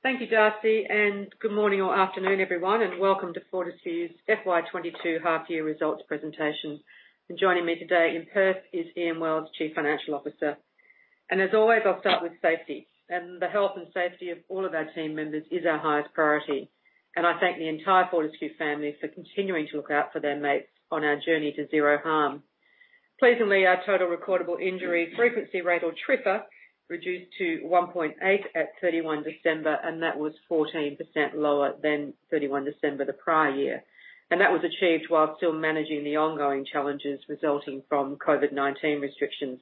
Thank you, Darcy, and good morning or afternoon, everyone, and welcome to Fortescue's FY 2022 half year results presentation. Joining me today in Perth is Ian Wells, Chief Financial Officer. As always, I'll start with safety. The health and safety of all of our team members is our highest priority. I thank the entire Fortescue family for continuing to look out for their mates on our journey to zero harm. Pleasingly, our total recordable injury frequency rate, or TRIFR, reduced to 1.8 at 31 December, and that was 14% lower than 31 December the prior year. That was achieved while still managing the ongoing challenges resulting from COVID-19 restrictions.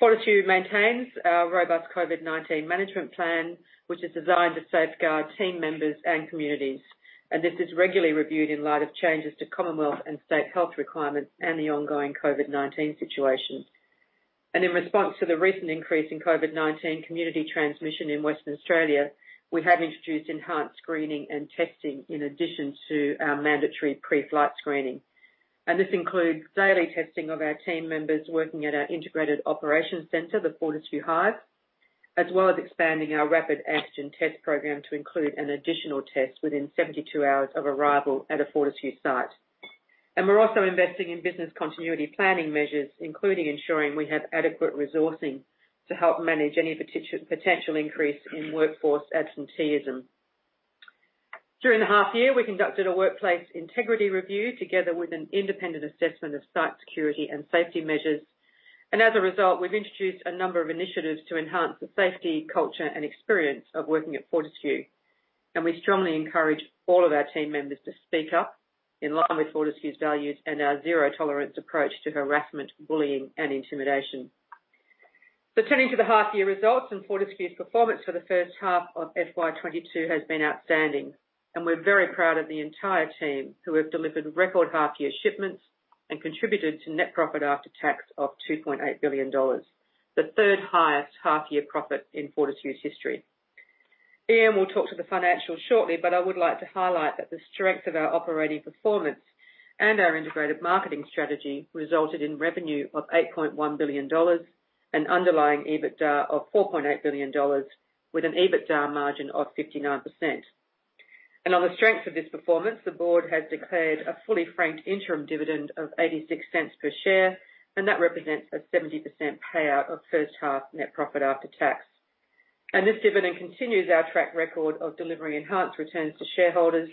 Fortescue maintains a robust COVID-19 management plan, which is designed to safeguard team members and communities. This is regularly reviewed in light of changes to Commonwealth and state health requirements and the ongoing COVID-19 situation. In response to the recent increase in COVID-19 community transmission in Western Australia, we have introduced enhanced screening and testing in addition to our mandatory pre-flight screening. This includes daily testing of our team members working at our integrated operation center, the Fortescue Hive, as well as expanding our rapid antigen test program to include an additional test within 72 hours of arrival at a Fortescue site. We're also investing in business continuity planning measures, including ensuring we have adequate resourcing to help manage any potential increase in workforce absenteeism. During the half year, we conducted a workplace integrity review together with an independent assessment of site security and safety measures. As a result, we've introduced a number of initiatives to enhance the safety, culture, and experience of working at Fortescue. We strongly encourage all of our team members to speak up in line with Fortescue's values and our zero-tolerance approach to harassment, bullying, and intimidation. Turning to the half year results, and Fortescue's performance for the first half of FY 2022 has been outstanding. We're very proud of the entire team who have delivered record half year shipments and contributed to net profit after tax of 2.8 billion dollars, the third-highest half year profit in Fortescue's history. Ian will talk to the financials shortly, but I would like to highlight that the strength of our operating performance and our integrated marketing strategy resulted in revenue of $8.1 billion and underlying EBITDA of $4.8 billion, with an EBITDA margin of 59%. On the strength of this performance, the board has declared a fully franked interim dividend of $0.86 per share, and that represents a 70% payout of first half net profit after tax. This dividend continues our track record of delivering enhanced returns to shareholders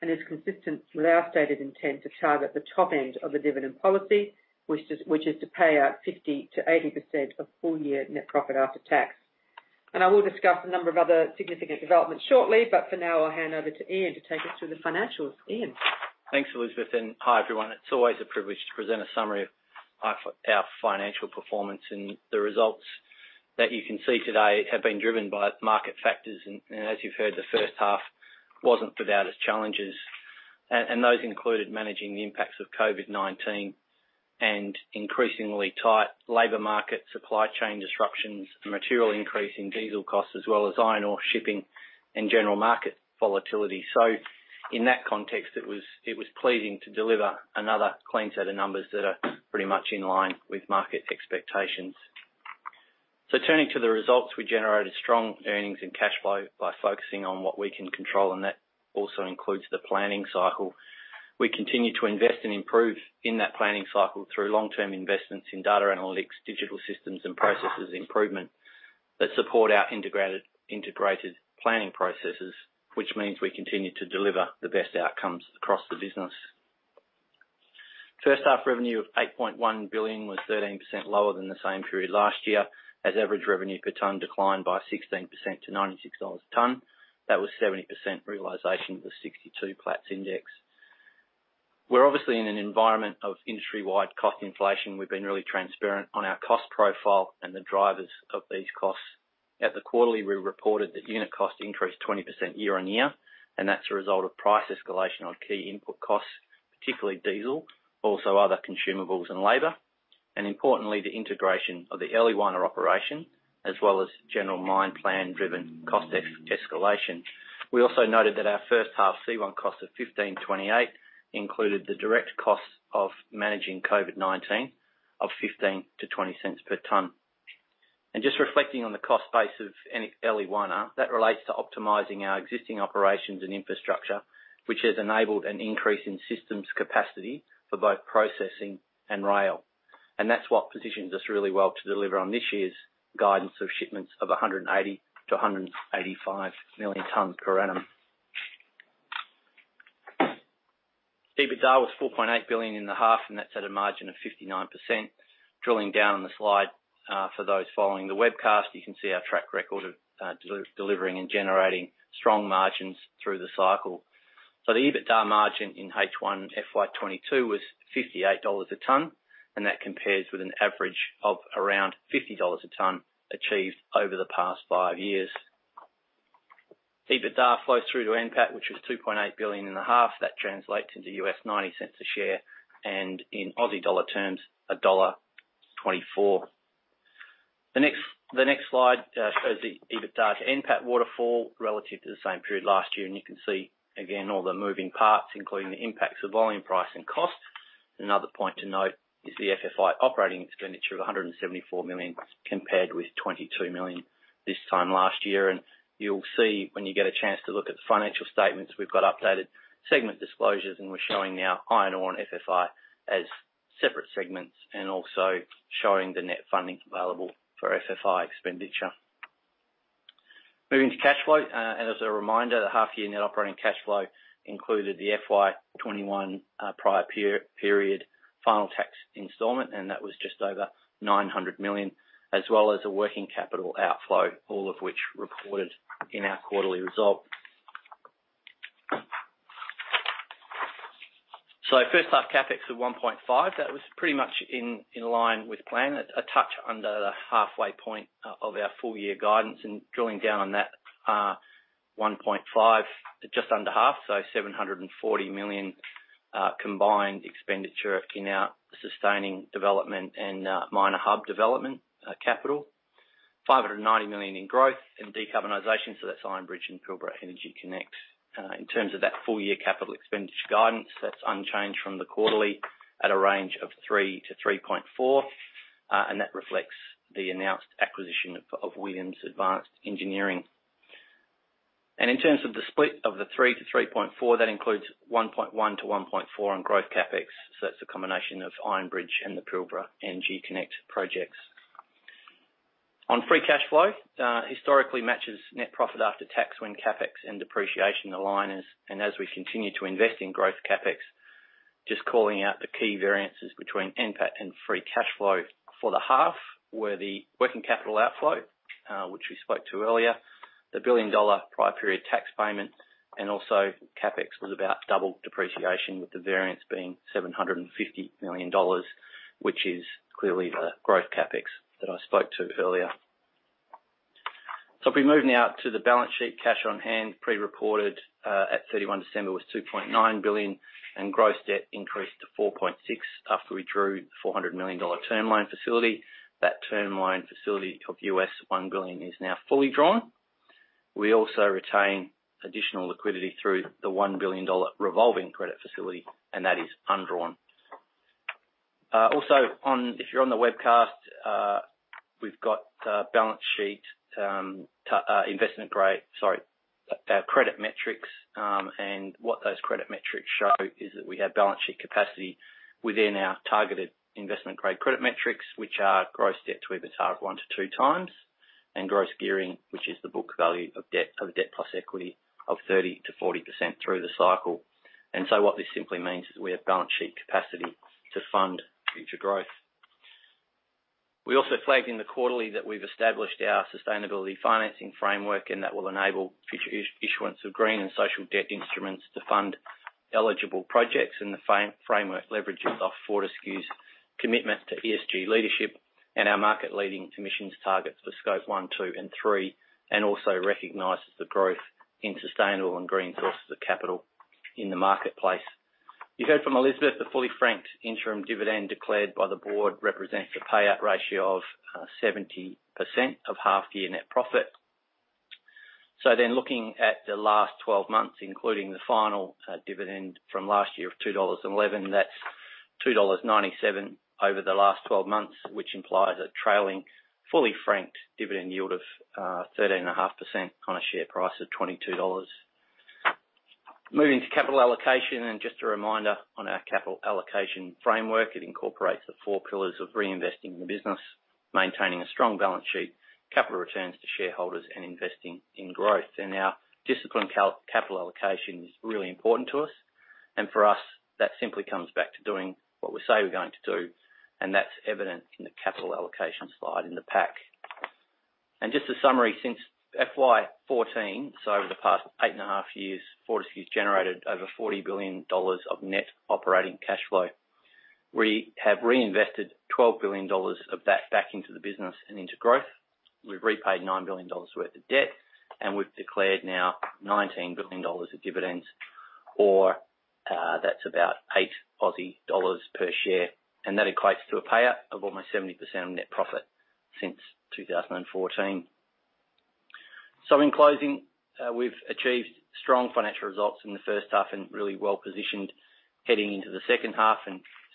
and is consistent with our stated intent to target the top end of the dividend policy, which is to pay out 50%-80% of full year net profit after tax. I will discuss a number of other significant developments shortly, but for now, I'll hand over to Ian to take us through the financials. Ian? Thanks, Elizabeth, and hi, everyone. It's always a privilege to present a summary of our financial performance, and the results that you can see today have been driven by market factors. As you've heard, the first half wasn't without its challenges. Those included managing the impacts of COVID-19 and increasingly tight labor market supply chain disruptions, a material increase in diesel costs, as well as iron ore shipping and general market volatility. In that context, it was pleasing to deliver another clean set of numbers that are pretty much in line with market expectations. Turning to the results, we generated strong earnings and cash flow by focusing on what we can control, and that also includes the planning cycle. We continue to invest and improve in that planning cycle through long-term investments in data analytics, digital systems, and processes improvement that support our integrated planning processes, which means we continue to deliver the best outcomes across the business. First half revenue of $8.1 billion was 13% lower than the same period last year, as average revenue per tonne declined by 16% to $96 a tonne. That was 70% realization of the 62 Platts index. We're obviously in an environment of industry-wide cost inflation. We've been really transparent on our cost profile and the drivers of these costs. At the quarterly, we reported that unit cost increased 20% year-over-year, and that's a result of price escalation on key input costs, particularly diesel, also other consumables and labor, and importantly, the integration of the Eliwana operation as well as general mine plan-driven cost escalation. We also noted that our first half C1 cost of 15.28 included the direct costs of managing COVID-19 of 0.15 per tonne-AUD 0.20 per tonne. Just reflecting on the cost base at Eliwana, that relates to optimizing our existing operations and infrastructure, which has enabled an increase in systems capacity for both processing and rail. That's what positions us really well to deliver on this year's guidance of shipments of 180million-185 million tonnes per annum. EBITDA was $4.8 billion in the half, and that's at a margin of 59%. Drilling down on the slide, for those following the webcast, you can see our track record of delivering and generating strong margins through the cycle. The EBITDA margin in H1 FY 2022 was $58 a tonne, and that compares with an average of around $50 a tonne achieved over the past five years. EBITDA flows through to NPAT, which was $2.8 billion in the half. That translates into $0.90 a share, and in Aussie dollar terms, dollar 1.24. The next slide shows the EBITDA to NPAT waterfall relative to the same period last year, and you can see again all the moving parts, including the impacts of volume, price, and cost. Another point to note is the FFI operating expenditure of 174 million, compared with 22 million this time last year. You'll see when you get a chance to look at the financial statements, we've got updated segment disclosures, and we're showing now iron ore and FFI as separate segments, and also showing the net funding available for FFI expenditure. Moving to cash flow. As a reminder, the half year net operating cash flow included the FY 2021 prior per-period final tax installment, and that was just over 900 million, as well as a working capital outflow, all of which reported in our quarterly result. First half CapEx of 1.5 billion, that was pretty much in line with plan. A touch under the halfway point of our full year guidance. Drilling down on that, 1.5 billion, just under half. 740 million combined expenditure of Chichester sustaining development and minor hub development capital. 590 million in growth Iron Bridge and Pilbara Energy Connect. In terms of that full year capital expenditure guidance, that's unchanged from the quarterly at a range of 3 billion-3.4 billion, and that reflects the announced acquisition of Williams Advanced Engineering. In terms of the split of the 3 billion-3.4 billion, that includes 1.1 billion-1.4 billion on growth CapEx. Iron Bridge and the Pilbara Energy Connect projects. On free cash flow, historically matches net profit after tax when CapEx and depreciation align. As we continue to invest in growth CapEx, just calling out the key variances between NPAT and free cash flow for the half, were the working capital outflow, which we spoke to earlier, the 1 billion dollar prior period tax payment, and also CapEx was about double depreciation, with the variance being 750 million dollars, which is clearly the growth CapEx that I spoke to earlier. If we move now to the balance sheet, cash on hand pre-reported at 31 December was 2.9 billion, and gross debt increased to 4.6 billion after we drew 400 million dollar term loan facility. That term loan facility of $1 billion is now fully drawn. We also retain additional liquidity through the $1 billion revolving credit facility, and that is undrawn. If you're on the webcast, we've got balance sheet to investment grade credit metrics. What those credit metrics show is that we have balance sheet capacity within our targeted investment grade credit metrics, which are gross debt to EBITDA of 1-2 times, and gross gearing, which is the book value of debt to debt plus equity of 30%-40% through the cycle. What this simply means is we have balance sheet capacity to fund future growth. We also flagged in the quarterly that we've established our sustainability financing framework, and that will enable future issuance of green and social debt instruments to fund eligible projects. The framework leverages off Fortescue's commitment to ESG leadership and our market-leading emissions targets for scope one, two, and three, and also recognizes the growth in sustainable and green sources of capital in the marketplace. You heard from Elizabeth, the fully franked interim dividend declared by the board represents a payout ratio of 70% of half-year net profit. Looking at the last 12 months, including the final dividend from last year of 2.11 dollars, that's 2.97 dollars over the last 12 months, which implies a trailing fully franked dividend yield of 13.5% on a share price of 22 dollars. Moving to capital allocation, and just a reminder on our capital allocation framework. It incorporates the four pillars of reinvesting in the business, maintaining a strong balance sheet, capital returns to shareholders, and investing in growth. Our disciplined capital allocation is really important to us. For us, that simply comes back to doing what we say we're going to do, and that's evident in the capital allocation slide in the pack. Just a summary, since FY 2014, so over the past 8.5 years, Fortescue's generated over 40 billion dollars of net operating cash flow. We have reinvested 12 billion dollars of that back into the business and into growth. We've repaid 9 billion dollars worth of debt, and we've declared now 19 billion dollars of dividends, or that's about 8 Aussie dollars per share. That equates to a payout of almost 70% of net profit since 2014. In closing, we've achieved strong financial results in the first half and really well-positioned heading into the second half.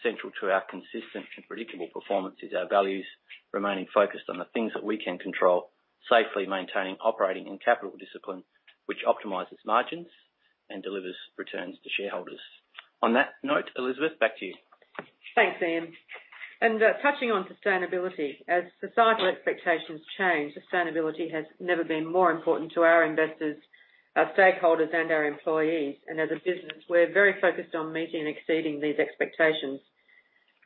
Central to our consistent and predictable performance is our values remaining focused on the things that we can control, safely maintaining operating and capital discipline, which optimizes margins and delivers returns to shareholders. On that note, Elizabeth, back to you. Thanks, Ian. Touching on sustainability, as societal expectations change, sustainability has never been more important to our investors, our stakeholders, and our employees. As a business, we're very focused on meeting and exceeding these expectations.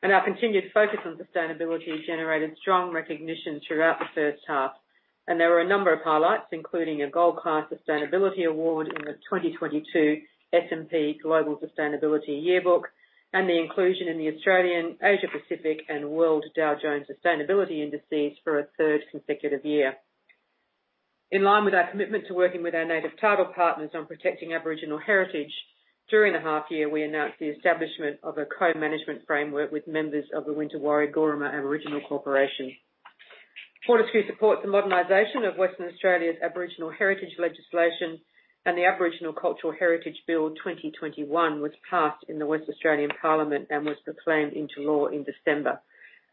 Our continued focus on sustainability generated strong recognition throughout the first half. There were a number of highlights, including a Gold Class Sustainability Award in the 2022 S&P Global Sustainability Yearbook, and the inclusion in the Australian, Asia Pacific, and World Dow Jones Sustainability Indices for a third consecutive year. In line with our commitment to working with our native title partners on protecting Aboriginal heritage, during the half year, we announced the establishment of a co-management framework with members of the Wintawari Guruma Aboriginal Corporation. Fortescue supports the modernization of Western Australia's Aboriginal Heritage legislation, and the Aboriginal Cultural Heritage Bill 2021 was passed in the Western Australian Parliament and was proclaimed into law in December.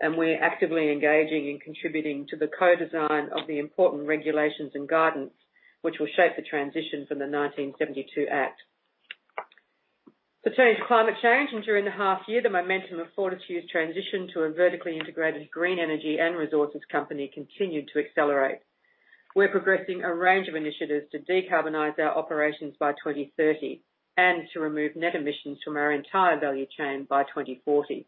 We're actively engaging and contributing to the co-design of the important regulations and guidance which will shape the transition from the 1972 Act. Turning to climate change, during the half year, the momentum of Fortescue's transition to a vertically integrated green energy and resources company continued to accelerate. We're progressing a range of initiatives to decarbonize our operations by 2030 and to remove net emissions from our entire value chain by 2040.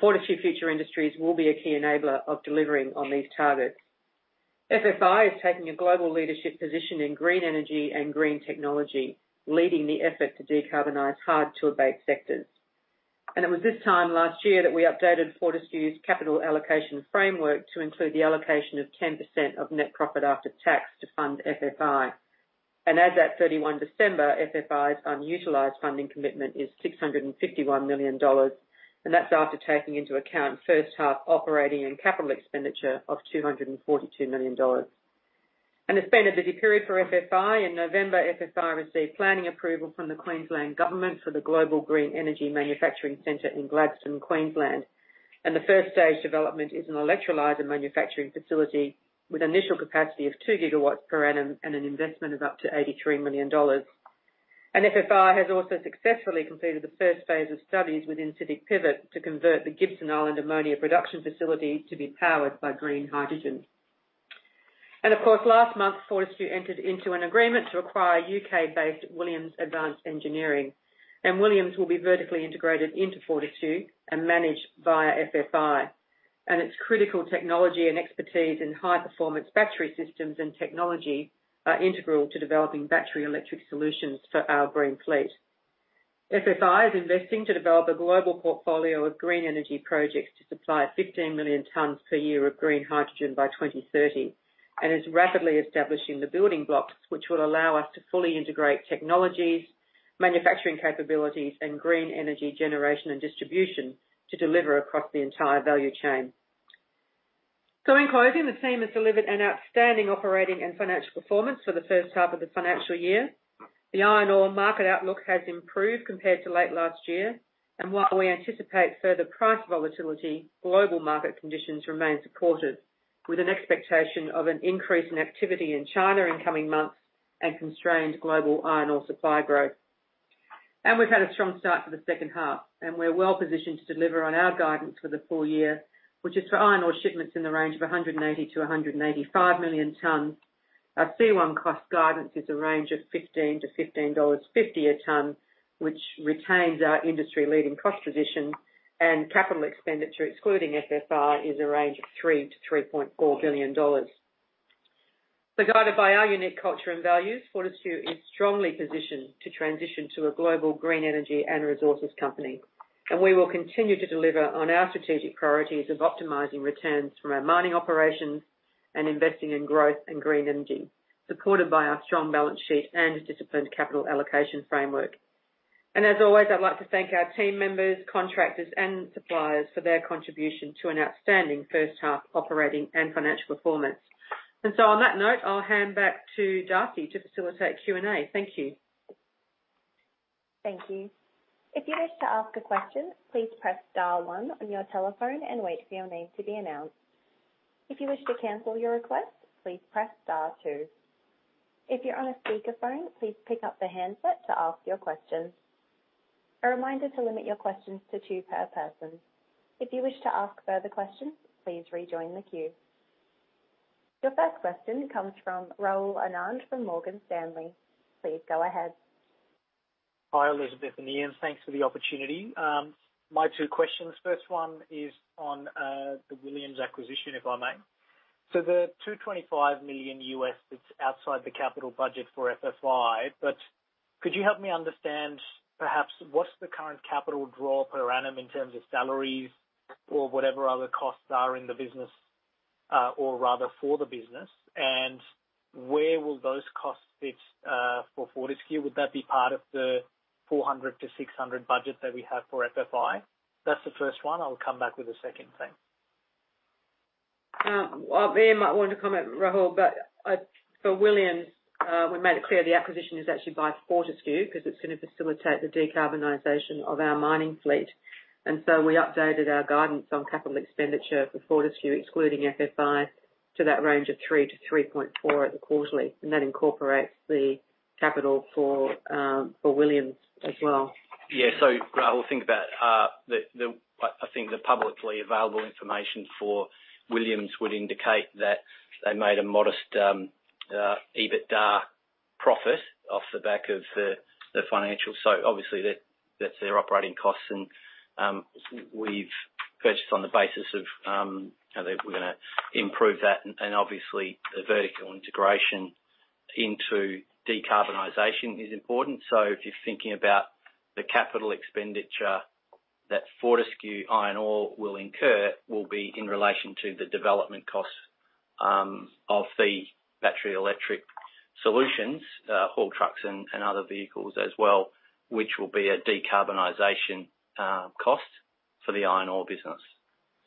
Fortescue Future Industries will be a key enabler of delivering on these targets. FFI is taking a global leadership position in green energy and green technology, leading the effort to decarbonize hard-to-abate sectors. It was this time last year that we updated Fortescue's capital allocation framework to include the allocation of 10% of net profit after tax to fund FFI. As at 31 December, FFI's unutilized funding commitment is 651 million dollars, and that's after taking into account first half operating and capital expenditure of 242 million dollars. It's been a busy period for FFI. In November, FFI received planning approval from the Queensland Government for the Global Green Energy Manufacturing Center in Gladstone, Queensland. The first stage development is an electrolyzer manufacturing facility with initial capacity of 2 GW per annum and an investment of up to 83 million dollars. FFI has also successfully completed the first phase of studies with Incitec Pivot to convert the Gibson Island ammonia production facility to be powered by green hydrogen. Of course, last month, Fortescue entered into an agreement to acquire U.K.-based Williams Advanced Engineering, and Williams will be vertically integrated into Fortescue and managed via FFI. Its critical technology and expertise in high-performance battery systems and technology are integral to developing battery electric solutions for our green fleet. FFI is investing to develop a global portfolio of green energy projects to supply 15 million tons per year of green hydrogen by 2030 and is rapidly establishing the building blocks, which will allow us to fully integrate technologies, manufacturing capabilities, and green energy generation and distribution to deliver across the entire value chain. In closing, the team has delivered an outstanding operating and financial performance for the first half of the financial year. The iron ore market outlook has improved compared to late last year, and while we anticipate further price volatility, global market conditions remain supported with an expectation of an increase in activity in China in coming months and constrained global iron ore supply growth. We've had a strong start to the second half, and we're well-positioned to deliver on our guidance for the full year, which is for iron ore shipments in the range of 180 million tons-185 million tons. Our C1 cost guidance is a range of $15/ton-$15.50/ton, which retains our industry-leading cost position. Capital expenditure, excluding FFI, is a range of $3 billion-$3.4 billion. Guided by our unique culture and values, Fortescue is strongly positioned to transition to a global green energy and resources company, and we will continue to deliver on our strategic priorities of optimizing returns from our mining operations and investing in growth in green energy, supported by our strong balance sheet and disciplined capital allocation framework. As always, I'd like to thank our team members, contractors, and suppliers for their contribution to an outstanding first half operating and financial performance. On that note, I'll hand back to Darcy to facilitate Q&A. Thank you. Thank you. If you wish to ask a question, please press star one on your telephone and wait for your name to be announced. If you wish to cancel your request, please press star two. If you're on a speakerphone, please pick up the handset to ask your question. A reminder to limit your questions to two per person. If you wish to ask further questions, please rejoin the queue. Your first question comes from Rahul Anand from Morgan Stanley. Please go ahead. Hi, Elizabeth and Ian. Thanks for the opportunity. My two questions. First one is on the Williams acquisition, if I may. The $225 million that's outside the capital budget for FFI, but could you help me understand perhaps what's the current capital draw per annum in terms of salaries or whatever other costs are in the business, or rather for the business, and where will those costs fit for Fortescue? Would that be part of the 400 million-600 million budget that we have for FFI? That's the first one. I'll come back with the second thing. Well, Ian might want to comment, Rahul, but for Williams, we made it clear the acquisition is actually by Fortescue because it's gonna facilitate the decarbonization of our mining fleet. We updated our guidance on capital expenditure for Fortescue, excluding FFI, to that range of 3-3.4 at the quarterly, and that incorporates the capital for Williams as well. Yeah. Rahul, think about the publicly available information for Williams. I think it would indicate that they made a modest EBITDA profit off the back of the financials. Obviously that's their operating costs and we've purchased on the basis of you know that we're gonna improve that and obviously the vertical integration into decarbonization is important. If you're thinking about the capital expenditure that Fortescue Iron Ore will incur, it will be in relation to the development costs of the battery electric solutions haul trucks and other vehicles as well, which will be a decarbonization cost for the iron ore business.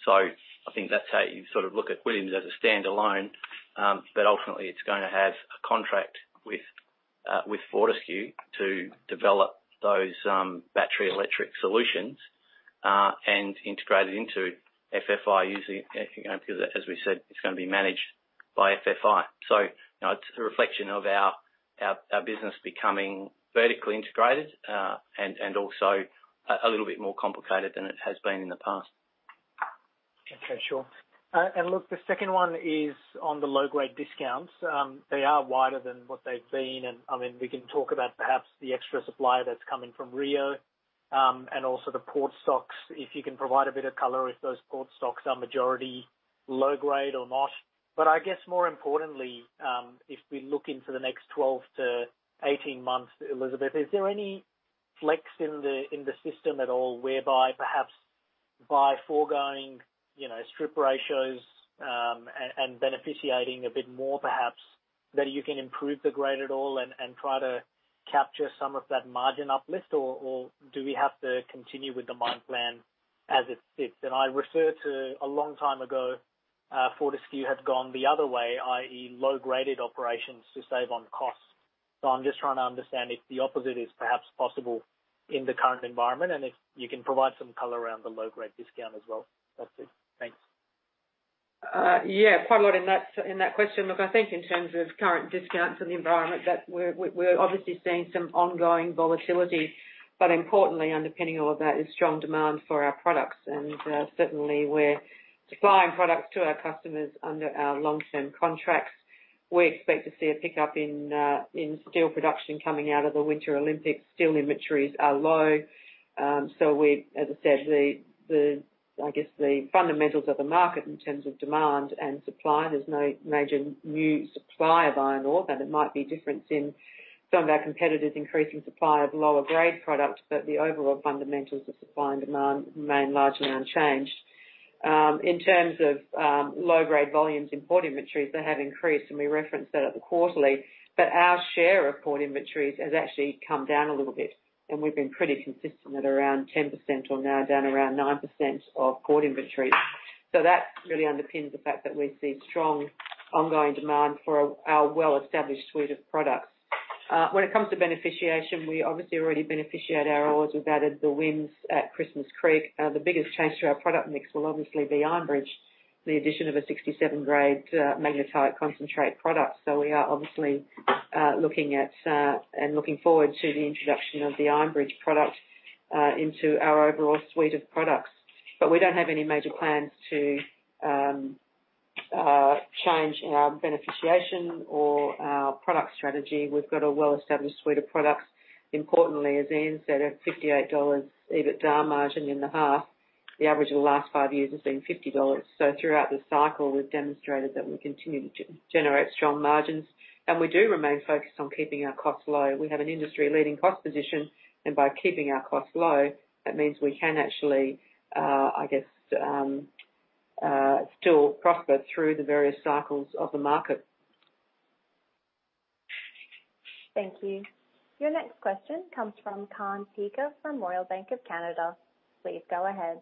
I think that's how you sort of look at Williams as a standalone, but ultimately it's gonna have a contract with Fortescue to develop those battery electric solutions and integrate it into FFI using you know, because as we said, it's gonna be managed by FFI. You know, it's a reflection of our business becoming vertically integrated and also a little bit more complicated than it has been in the past. Okay. Sure. Look, the second one is on the low-grade discounts. They are wider than what they've been, and I mean, we can talk about perhaps the extra supply that's coming from Rio, and also the port stocks. If you can provide a bit of color if those port stocks are majority low grade or not. But I guess more importantly, if we look into the next 12-18 months, Elizabeth, is there any flex in the system at all whereby perhaps by foregoing, you know, strip ratios, and beneficiating a bit more perhaps, that you can improve the grade at all and try to capture some of that margin uplift or do we have to continue with the mine plan as it sits? I refer to a long time ago, Fortescue had gone the other way, i.e., low-graded operations to save on costs. I'm just trying to understand if the opposite is perhaps possible in the current environment, and if you can provide some color around the low-grade discount as well. That's it. Thanks. Yeah, quite a lot in that question. Look, I think in terms of current discounts in the environment that we're obviously seeing some ongoing volatility. Importantly, underpinning all of that is strong demand for our products. Certainly we're supplying products to our customers under our long-term contracts. We expect to see a pickup in steel production coming out of the Winter Olympics. Steel inventories are low. As I said, I guess the fundamentals of the market in terms of demand and supply, there's no major new supply of iron ore, though there might be difference in some of our competitors increasing supply of lower-grade products, but the overall fundamentals of supply and demand remain largely unchanged. In terms of low-grade volumes in port inventories, they have increased, and we referenced that at the quarterly. Our share of port inventories has actually come down a little bit, and we've been pretty consistent at around 10% or now down around 9% of port inventories. That really underpins the fact that we see strong ongoing demand for our well-established suite of products. When it comes to beneficiation, we obviously already beneficiate our ores. We've added the WHIMS at Christmas Creek. The biggest change to our Iron Bridge, the addition of a 67-grade magnetite concentrate product. We are obviously looking forward Iron Bridge product into our overall suite of products. We don't have any major plans to change our beneficiation or our product strategy. We've got a well-established suite of products. Importantly, as Ian said, at 58 dollars EBITDA margin in the half, the average of the last 5 years has been 50 dollars. Throughout the cycle, we've demonstrated that we continue to generate strong margins, and we do remain focused on keeping our costs low. We have an industry-leading cost position, and by keeping our costs low, that means we can actually, I guess, still prosper through the various cycles of the market. Thank you. Your next question comes from Kaan Peker from Royal Bank of Canada. Please go ahead.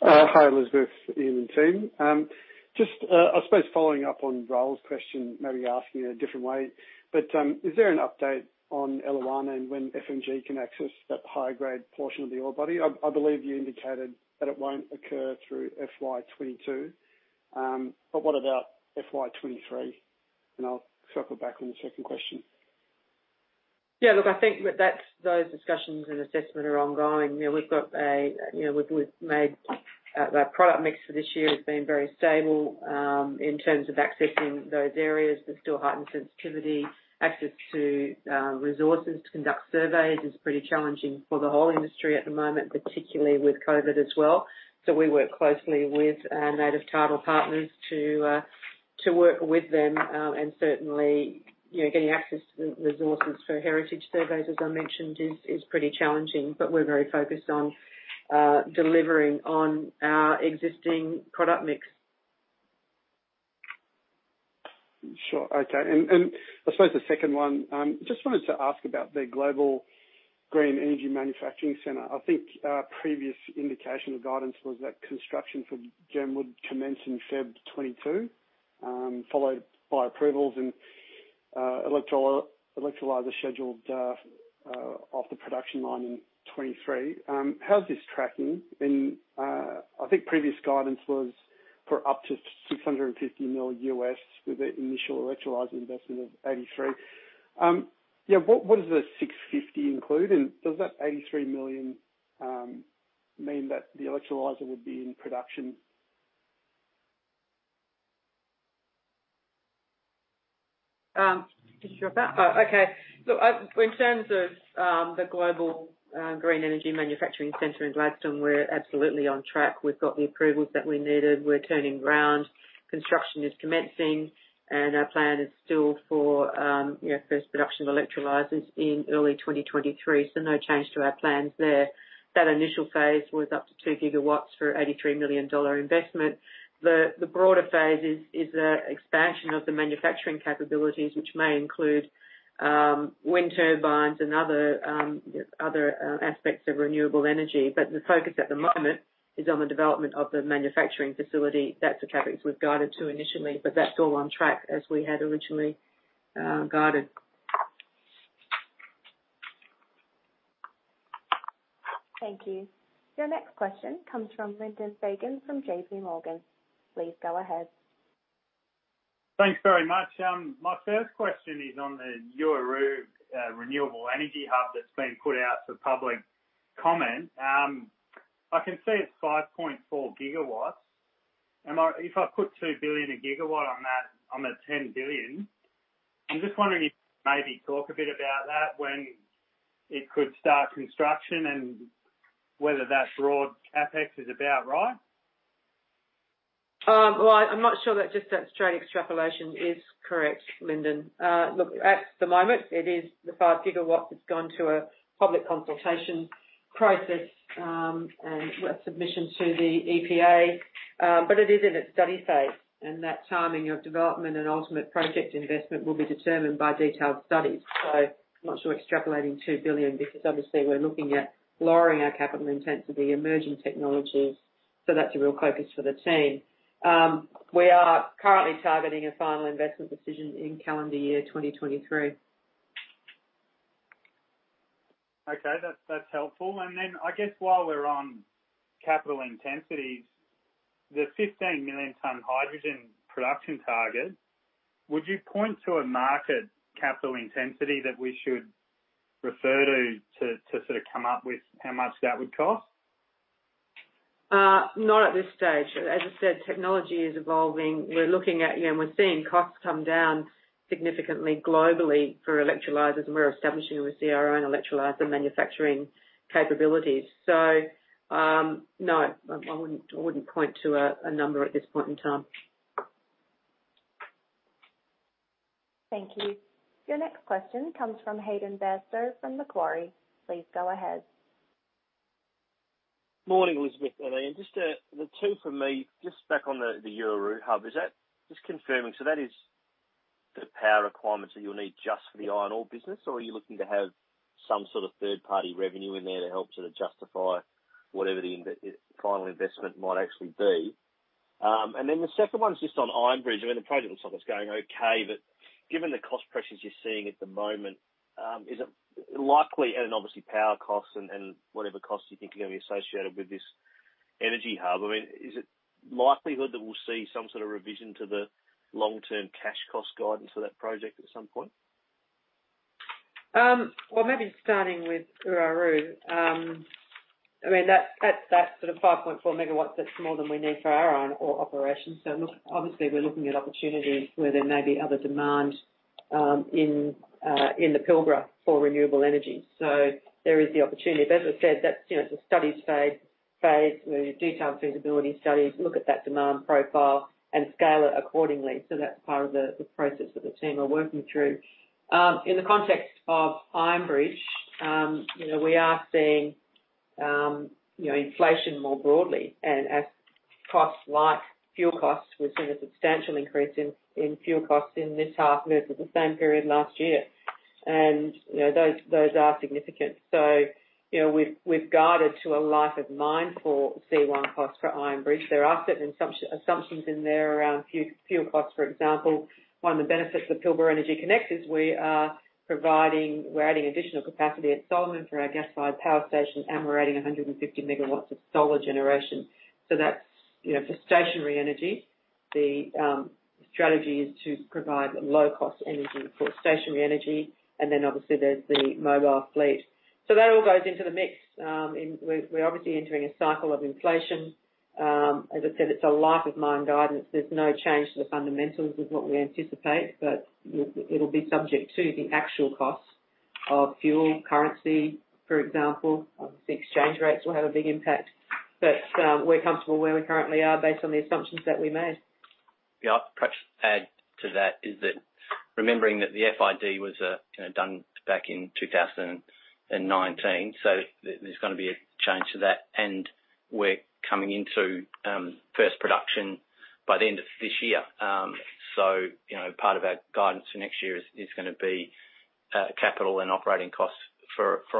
Hi, Elizabeth, Ian, and team. Just, I suppose following up on Rahul's question, maybe asking a different way, but is there an update on Eliwana and when FMG can access that higher grade portion of the ore body? I believe you indicated that it won't occur through FY 2022. But what about FY 2023? I'll circle back on the second question. Yeah, look, I think that those discussions and assessment are ongoing. You know, we've made our product mix for this year has been very stable. In terms of accessing those areas, there's still heightened sensitivity. Access to resources to conduct surveys is pretty challenging for the whole industry at the moment, particularly with COVID as well. We work closely with our native title partners to work with them. Certainly, you know, getting access to the resources for heritage surveys, as I mentioned, is pretty challenging, but we're very focused on delivering on our existing product mix. Sure. Okay. I suppose the second one, just wanted to ask about the Global Green Energy Manufacturing Center. I think our previous indication of guidance was that construction for GEM would commence in February 2022, followed by approvals and electrolyzer scheduled off the production line in 2023. How's this tracking? I think previous guidance was for up to $650 million, with the initial electrolyzer investment of $83 million. What does the 650 include? Does that $83 million mean that the electrolyzer would be in production? Look, in terms of the Global Green Energy Manufacturing Center in Gladstone, we're absolutely on track. We've got the approvals that we needed. We're turning ground. Construction is commencing, and our plan is still for, you know, first production of electrolyzers in early 2023. No change to our plans there. That initial phase was up to 2 GW for a $83 million investment. The broader phase is the expansion of the manufacturing capabilities, which may include wind turbines and other aspects of renewable energy. The focus at the moment is on the development of the manufacturing facility. That's the categories we've guided to initially, but that's all on track as we had originally got it. Thank you. Your next question comes from Lyndon Fagan from JPMorgan. Please go ahead. Thanks very much. My first question is on the Uaroo renewable energy hub that's been put out for public comment. I can see it's 5.4 GW. If I put 2 billion a gigawatt on that, on the 10 billion, I'm just wondering if you maybe talk a bit about that, when it could start construction and whether that broad CapEx is about right. I'm not sure that just that straight extrapolation is correct, Lyndon. Look, at the moment, it is the 5 GW that's gone to a public consultation process, and a submission to the EPA. It is in its study phase, and that timing of development and ultimate project investment will be determined by detailed studies. I'm not sure extrapolating 2 billion, because obviously we're looking at lowering our capital intensity emerging technologies, so that's a real focus for the team. We are currently targeting a final investment decision in calendar year 2023. Okay. That's helpful. I guess while we're on capital intensities, the 15 million ton hydrogen production target, would you point to a market capital intensity that we should refer to to sort of come up with how much that would cost? Not at this stage. As I said, technology is evolving. We're looking at, you know, we're seeing costs come down significantly globally for electrolyzers, and we're establishing, we see our own electrolyzer manufacturing capabilities. No, I wouldn't point to a number at this point in time. Thank you. Your next question comes from Hayden Bairstow from Macquarie. Please go ahead. Morning, Elizabeth and Ian. Just the two from me, just back on the Uaroo Hub. Is that just confirming, so that is the power requirements that you'll need just for the iron ore business? Or are you looking to have some sort of third-party revenue in there to help sort of justify whatever the final investment might actually be? And then the Iron Bridge. i mean, the project looks like it's going okay, but given the cost pressures you're seeing at the moment, is it likely, and obviously power costs and whatever costs you think are gonna be associated with this energy hub. I mean, is the likelihood that we'll see some sort of revision to the long-term cash cost guidance for that project at some point? Well, maybe starting with Uaroo. I mean, that's that sort of 5.4 MW, that's more than we need for our own ore operations. Look, obviously, we're looking at opportunities where there may be other demand in the Pilbara for renewable energy. There is the opportunity. As I said, that's, you know, it's a study phase where your detailed feasibility studies look at that demand profile and scale it accordingly. That's part of the process that the team are working through. Iron Bridge, you know, we are seeing, you know, inflation more broadly and in costs like fuel costs, we've seen a substantial increase in fuel costs in this half versus the same period last year. You know, those are significant. You know, we've guided to a life of mine Iron Bridge. there are certain assumptions in there around fuel costs, for example. One of the benefits of Pilbara Energy Connect is we're adding additional capacity at Solomon through our gas-fired power station, and we're adding 150 MW of solar generation. That's, you know, for stationary energy. The strategy is to provide low-cost energy for stationary energy, and then obviously there's the mobile fleet. That all goes into the mix. We're obviously entering a cycle of inflation. As I said, it's a life of mine guidance. There's no change to the fundamentals of what we anticipate, but it'll be subject to the actual costs of fuel, currency, for example. Obviously, exchange rates will have a big impact. We're comfortable where we currently are based on the assumptions that we made. Yeah. Perhaps add to that is that remembering that the FID was, you know, done back in 2019, so there's gonna be a change to that, and we're coming into first production by the end of this year. So, you know, part of our guidance for next year is gonna be capital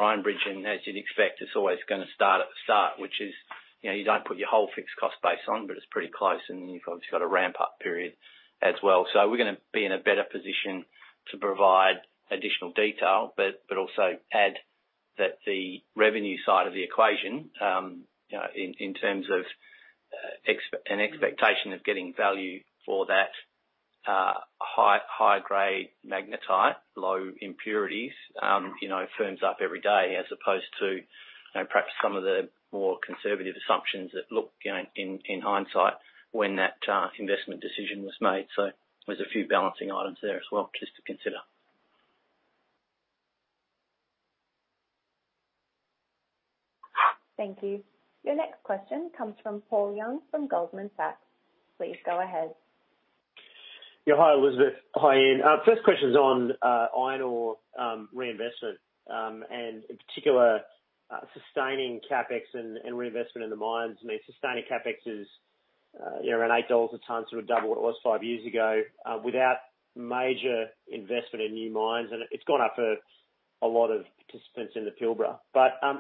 Iron Bridge. as you'd expect, it's always gonna start at the start, which is, you know, you don't put your whole fixed cost base on, but it's pretty close, and you've obviously got a ramp-up period as well. We're gonna be in a better position to provide additional detail, but also add that the revenue side of the equation, you know, in terms of an expectation of getting value for that high grade magnetite, low impurities, you know, firms up every day as opposed to, you know, perhaps some of the more conservative assumptions that look, you know, in hindsight when that investment decision was made. There's a few balancing items there as well just to consider. Thank you. Your next question comes from Paul Young from Goldman Sachs. Please go ahead. Hi, Elizabeth. Hi, Ian. First question's on iron ore reinvestment, and in particular, sustaining CapEx and reinvestment in the mines. I mean, sustaining CapEx is, you know, around $8 a ton, sort of double what it was five years ago, without major investment in new mines, and it's gone up for a lot of participants in the Pilbara.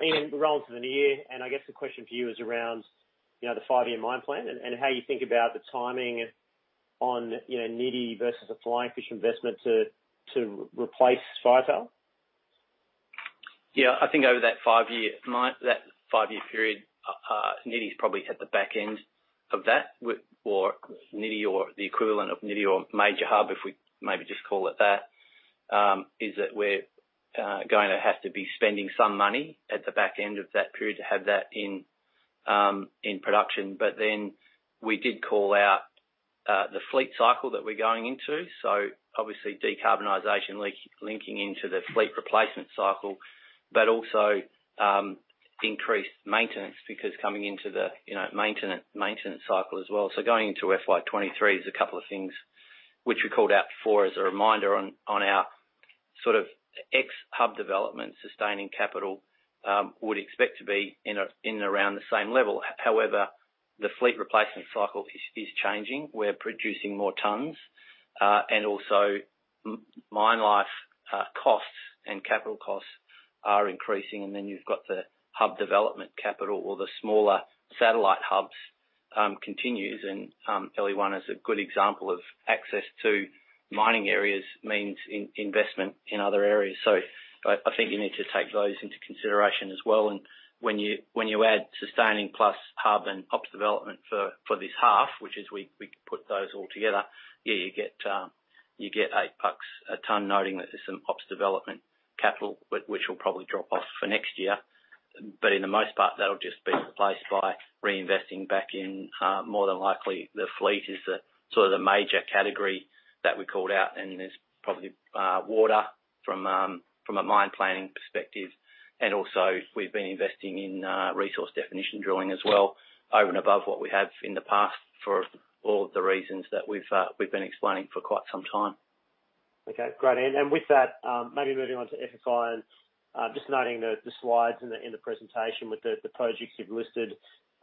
Ian, we're rolling through the near term, and I guess the question for you is around- You know, the five-year mine plan and how you think about the timing on, you know, Nyidinghu versus a Flying Fish investment to replace Firetail? Yeah. I think over that five-year period, Nyidinghu's probably at the back end of that. Or Nyidinghu or the equivalent of Nyidinghu or major hub, if we maybe just call it that, is that we're going to have to be spending some money at the back end of that period to have that in production. Then we did call out the fleet cycle that we're going into, so obviously decarbonization linking into the fleet replacement cycle. Also, increased maintenance because coming into the, you know, maintenance cycle as well. Going into FY 2023 is a couple of things which we called out for as a reminder on our sort of ex-hub development sustaining capital, would expect to be in around the same level. However, the fleet replacement cycle is changing. We're producing more tons, and also mine life costs and capital costs are increasing. You've got the hub development capital or the smaller satellite hubs continues. LE1 is a good example of access to mining areas means investment in other areas. I think you need to take those into consideration as well. When you add sustaining plus hub and ops development for this half, which is we put those all together, you get $8 a ton, noting that there's some ops development capital, which will probably drop off for next year. In the most part, that'll just be replaced by reinvesting back in, more than likely the fleet is the sort of the major category that we called out. There's probably water from a mine planning perspective. Also we've been investing in resource definition drilling as well over and above what we have in the past, for all of the reasons that we've been explaining for quite some time. Okay, great. With that, maybe moving on to FFI. Just noting the slides in the presentation with the projects you've listed,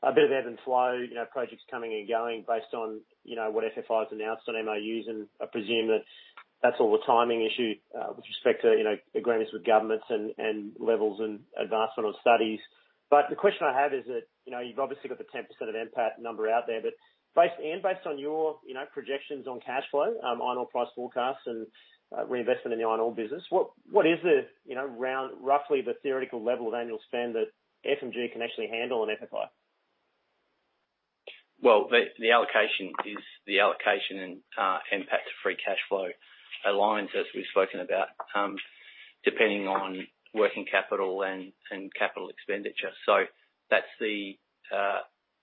a bit of ebb and flow, you know, projects coming and going based on, you know, what FFI's announced on MOUs. I presume that that's all a timing issue with respect to, you know, agreements with governments and levels and advancement of studies. The question I have is that, you know, you've obviously got the 10% of NPAT number out there, but, Ian, based on your projections on cash flow, iron ore price forecasts and reinvestment in the iron ore business, what is the, you know, roughly the theoretical level of annual spend that FMG can actually handle on FFI? The allocation and NPAT to free cash flow aligns, as we've spoken about, depending on working capital and capital expenditure. That's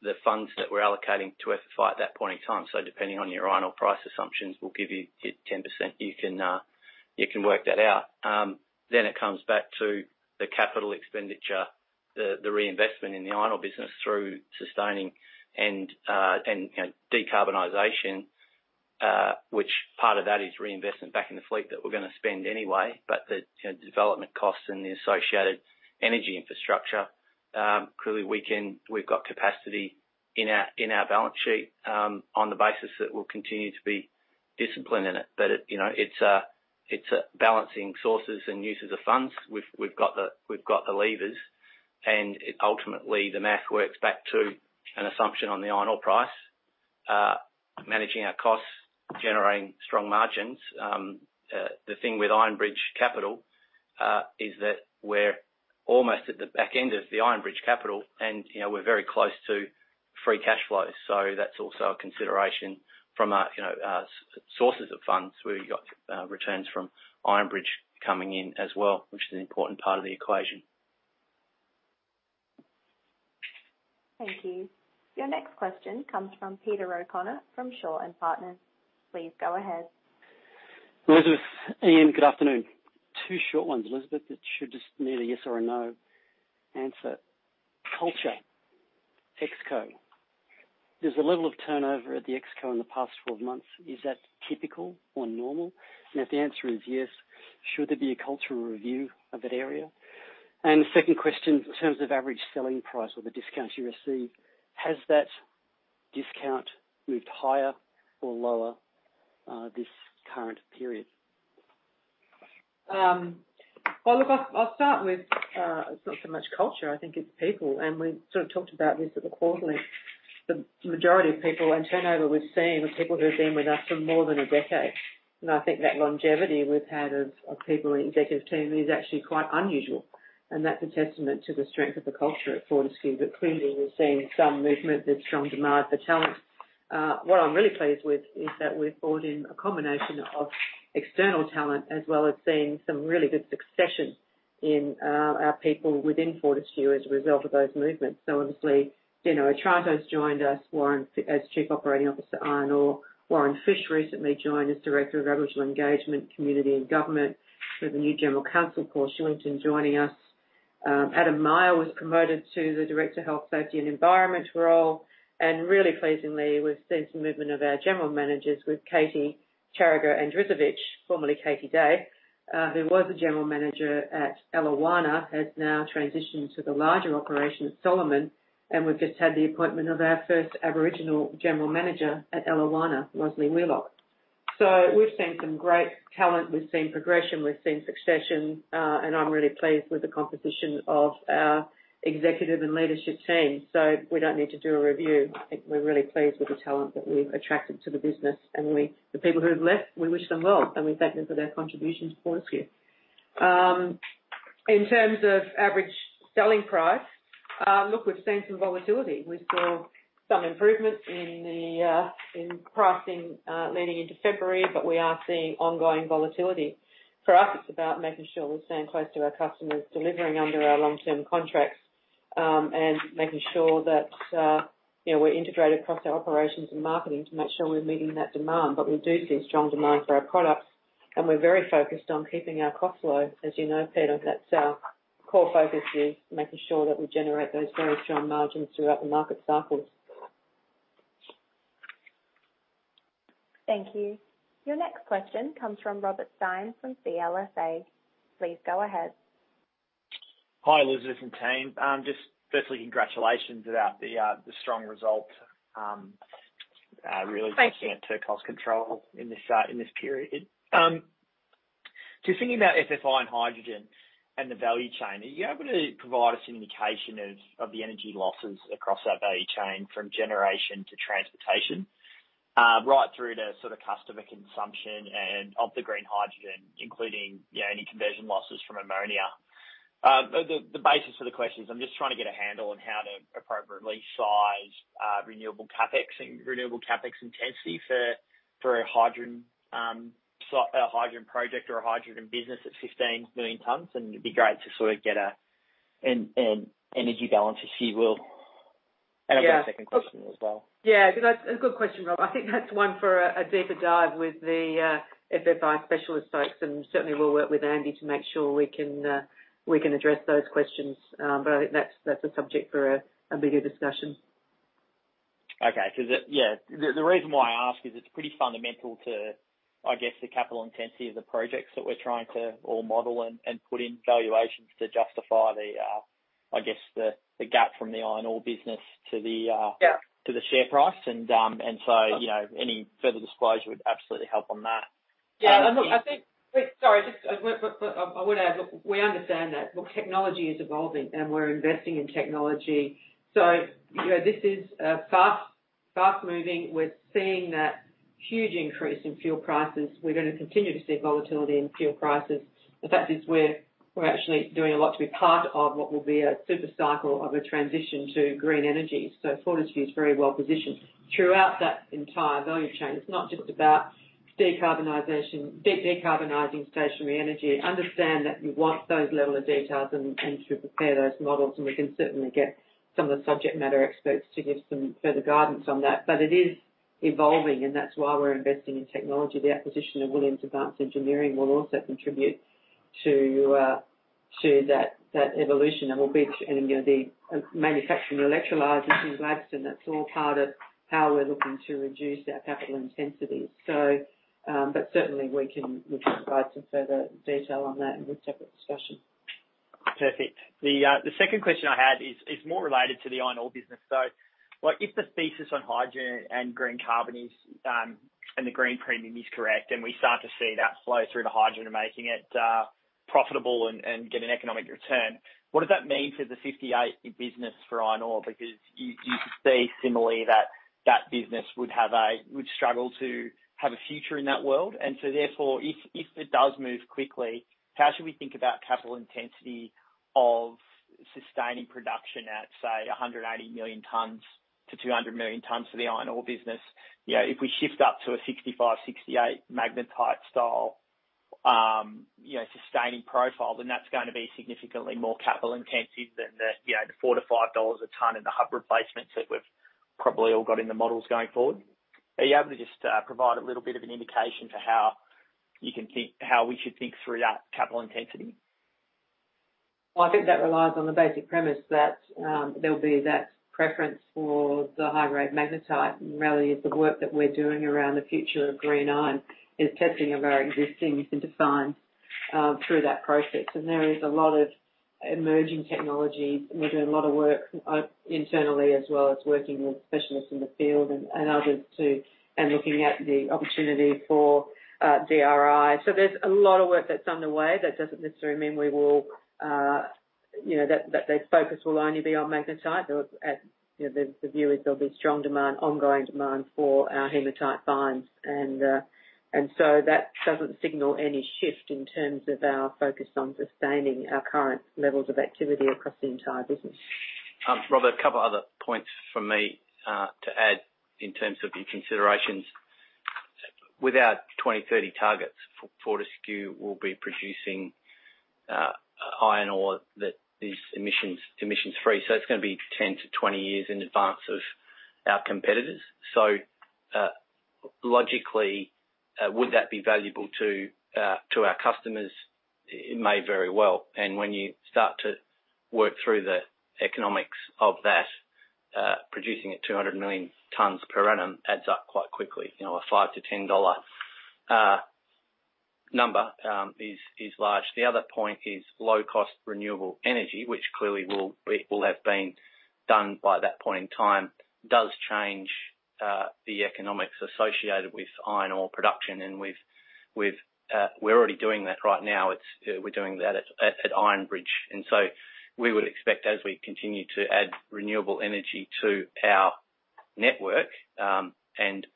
the funds that we're allocating to FFI at that point in time. Depending on your iron ore price assumptions, we'll give you it 10%. You can work that out. It comes back to the capital expenditure, the reinvestment in the iron ore business through sustaining and decarbonization, which part of that is reinvestment back in the fleet that we're gonna spend anyway, but the development costs and the associated energy infrastructure. Clearly we've got capacity in our balance sheet, on the basis that we'll continue to be disciplined in it. It's a balancing sources and uses of funds. We've got the levers, and ultimately, the math works back to an assumption on the iron ore price, managing our costs, generating strong Iron Bridge capital is that we're almost at the Iron Bridge capital and, you know, we're very close to free cash flow. So that's also a consideration from our, you know, our sources of funds, where Iron Bridge coming in as well, which is an important part of the equation. Thank you. Your next question comes from Peter O'Connor from Shaw and Partners. Please go ahead. Elizabeth, Ian, good afternoon. Two short ones, Elizabeth, that should just need a yes or a no answer. Culture, Exco. There's a level of turnover at the Exco in the past 12 months. Is that typical or normal? If the answer is yes, should there be a cultural review of that area? The second question, in terms of average selling price or the discounts you receive, has that discount moved higher or lower, this current period? Well, look, I'll start with it's not so much culture, I think it's people, and we sort of talked about this at the quarterly. The majority of people and turnover we've seen are people who have been with us for more than a decade. I think that longevity we've had of people in executive team is actually quite unusual. That's a testament to the strength of the culture at Fortescue. Clearly, we're seeing some movement. There's strong demand for talent. What I'm really pleased with is that we've brought in a combination of external talent, as well as seeing some really good succession in our people within Fortescue as a result of those movements. Obviously, Dino Otranto's joined us as Chief Operating Officer, Iron Ore. Warren Fish recently joined as Director of Aboriginal Engagement, Community, and Government. We have a new General Counsel, Paul Shillington, joining us. Adam Maher was promoted to the Director of Health, Safety, and Environment role. Really pleasingly, we've seen some movement of our general managers with Katie Quirk who was the general manager at Eliwana has now transitioned to the larger operation at Solomon. We've just had the appointment of our first Aboriginal general manager at Eliwana, Rosli Wheelock. We've seen some great talent. We've seen progression, we've seen succession, and I'm really pleased with the composition of our Executive and Leadership Team. We don't need to do a review. I think we're really pleased with the talent that we've attracted to the business, and the people who have left, we wish them well, and we thank them for their contribution to Fortescue. In terms of average selling price, look, we've seen some volatility. We saw some improvement in pricing leading into February, but we are seeing ongoing volatility. For us, it's about making sure we're staying close to our customers, delivering under our long-term contracts, and making sure that we're integrated across our operations and marketing to make sure we're meeting that demand. But we do see strong demand for our products, and we're very focused on keeping our costs low. As you know, Peter, that's our core focus is making sure that we generate those very strong margins throughout the market cycles. Thank you. Your next question comes from Robert Stein from CLSA. Please go ahead. Hi, Elizabeth and team. Just firstly, congratulations about the strong result. Thank you. Really a testament to cost control in this, in this period. Just thinking about FFI and hydrogen and the value chain, are you able to provide us an indication of the energy losses across that value chain from generation to transportation, right through to sort of customer consumption and of the green hydrogen, including, you know, any conversion losses from ammonia? The basis for the question is I'm just trying to get a handle on how to appropriately size renewable CapEx and renewable CapEx intensity for a hydrogen, so a hydrogen project or a hydrogen business at 15 million tons, and it'd be great to sort of get an energy balance, if you will. Yeah. I've got a second question as well. Yeah, good question, Rob. I think that's one for a deeper dive with the FFI specialist folks, and certainly we'll work with Andy to make sure we can address those questions. I think that's a subject for a bigger discussion. Okay. The reason why I ask is it's pretty fundamental to, I guess, the capital intensity of the projects that we're trying to all model and put in valuations to justify, I guess, the gap from the iron ore business to the Yeah... to the share price. You know, any further disclosure would absolutely help on that. Yeah. Look, I think I would add, look, we understand that. Look, technology is evolving, and we're investing in technology. You know, this is fast-moving. We're seeing that huge increase in fuel prices. We're gonna continue to see volatility in fuel prices. The fact is we're actually doing a lot to be part of what will be a super cycle of a transition to green energy. Fortescue is very well-positioned throughout that entire value chain. It's not just about decarbonization, decarbonizing stationary energy. I understand that you want those level of details and to prepare those models, and we can certainly get some of the subject matter experts to give some further guidance on that. It is evolving, and that's why we're investing in technology. The acquisition of Williams Advanced Engineering will also contribute to that evolution and, you know, the manufacturing electrolyzers in Gladstone, that's all part of how we're looking to reduce our capital intensity. But certainly we can provide some further detail on that in a separate discussion. Perfect. The second question I had is more related to the iron ore business. Like, if the thesis on hydrogen and green carbon is and the green premium is correct, and we start to see that flow through to hydrogen and making it profitable and get an economic return, what does that mean for the 58 business for iron ore? Because you could see similarly that that business would struggle to have a future in that world. If it does move quickly, how should we think about capital intensity of sustaining production at, say, 180 million tons-200 million tons for the iron ore business? You know, if we shift up to a 65-68 magnetite style, you know, sustaining profile, then that's gonna be significantly more capital intensive than the, you know, the $4-$5 a ton and the hub replacements that we've probably all got in the models going forward. Are you able to just provide a little bit of an indication to how we should think through that capital intensity? Well, I think that relies on the basic premise that there'll be that preference for the high-grade magnetite. Really, the work that we're doing around the future of green iron is testing of our existing sinter fines through that process. There is a lot of emerging technology. We're doing a lot of work internally as well as working with specialists in the field and others and looking at the opportunity for DRI. There's a lot of work that's underway. That doesn't necessarily mean we will, you know, that the focus will only be on magnetite. There's, you know, the view is there'll be strong demand, ongoing demand for our hematite fines. That doesn't signal any shift in terms of our focus on sustaining our current levels of activity across the entire business. Robert, a couple other points from me, to add in terms of your considerations. With our 2030 targets, Fortescue will be producing iron ore that is emissions-free, so it's gonna be 10-20 years in advance of our competitors. Logically, would that be valuable to our customers? It may very well. When you start to work through the economics of that, producing at 200 million tons per annum adds up quite quickly, you know, a $5-$10 number is large. The other point is low-cost renewable energy, which clearly will have been done by that point in time, does change the economics associated with iron ore production. We're already doing that right now. we're doing that at Iron Bridge. We would expect, as we continue to add renewable energy to our network, and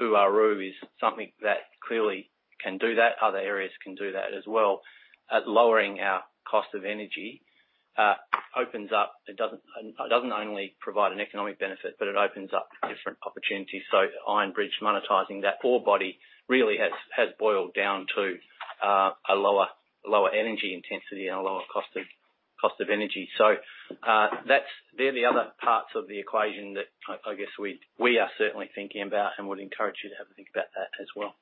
Uaroo is something that clearly can do that, other areas can do that as well, at lowering our cost of energy, opens up. It doesn't only provide an economic benefit, but it Iron Bridge monetizing that ore body really has boiled down to a lower energy intensity and a lower cost of energy. They're the other parts of the equation that I guess we are certainly thinking about and would encourage you to have a think about that as well.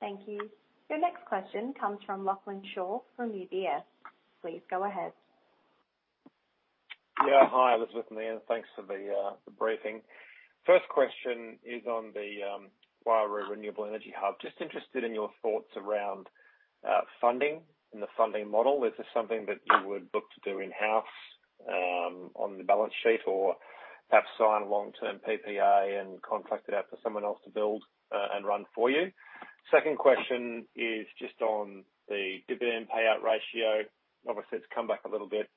Thank you. Your next question comes from Lachlan Shaw from UBS. Please go ahead. Yeah. Hi, Elizabeth and Ian. Thanks for the briefing. First question is on the Uaroo Renewable Energy Hub. Just interested in your thoughts around funding and the funding model. Is this something that you would look to do in-house on the balance sheet? Or perhaps sign a long-term PPA and contract it out for someone else to build and run for you? Second question is just on the dividend payout ratio. Obviously, it's come back a little bit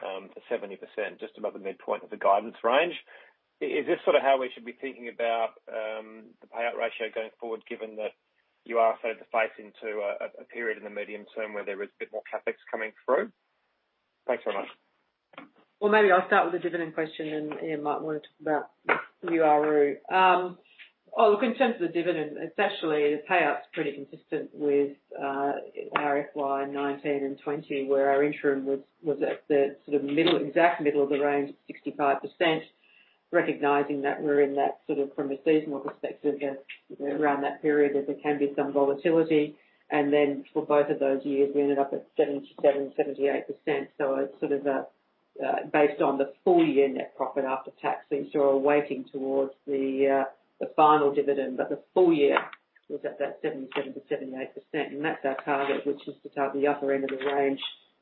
to 70%, just above the midpoint of the guidance range. Is this sort of how we should be thinking about the payout ratio going forward, given that you are sort of facing to a period in the medium term where there is a bit more CapEx coming through? Thanks very much. Well, maybe I'll start with the dividend question, and Ian might want to talk about Uaroo. Look, in terms of the dividend, it's actually the payout's pretty consistent with our FY 2019 and 2020, where our interim was at the sort of middle, exact middle of the range at 65%. Recognizing that we're in that sort of, from a seasonal perspective, you know, around that period, there can be some volatility. Then for both of those years, we ended up at 77%-78%. It's sort of based on the full year net profit after tax, since you're weighting towards the final dividend. The full year was at that 77%-78%, and that's our target, which is to target the upper end of the range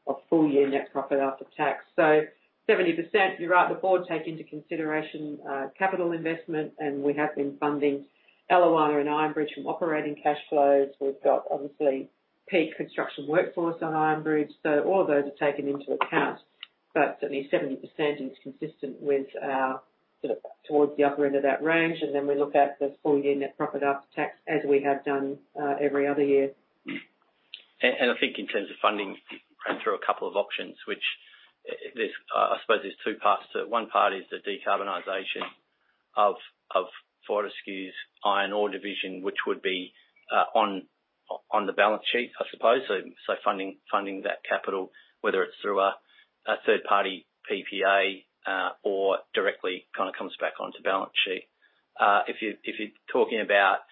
of full year net profit after tax. 70%, you're right. The board take into consideration capital investment, and we have been funding Eliwana and Iron Bridge from operating cash flows. We've got, obviously, peak construction workforce on Iron Bridge, so all of those are taken into account. Certainly 70% is consistent with our sort of towards the upper end of that range, and then we look at the full year net profit after tax, as we have done every other year. I think in terms of funding, ran through a couple of options which, there's I suppose there's two parts to it. One part is the decarbonization of Fortescue's iron ore division, which would be on the balance sheet, I suppose. Funding that capital, whether it's through a third-party PPA or directly kinda comes back onto balance sheet. If you're talking about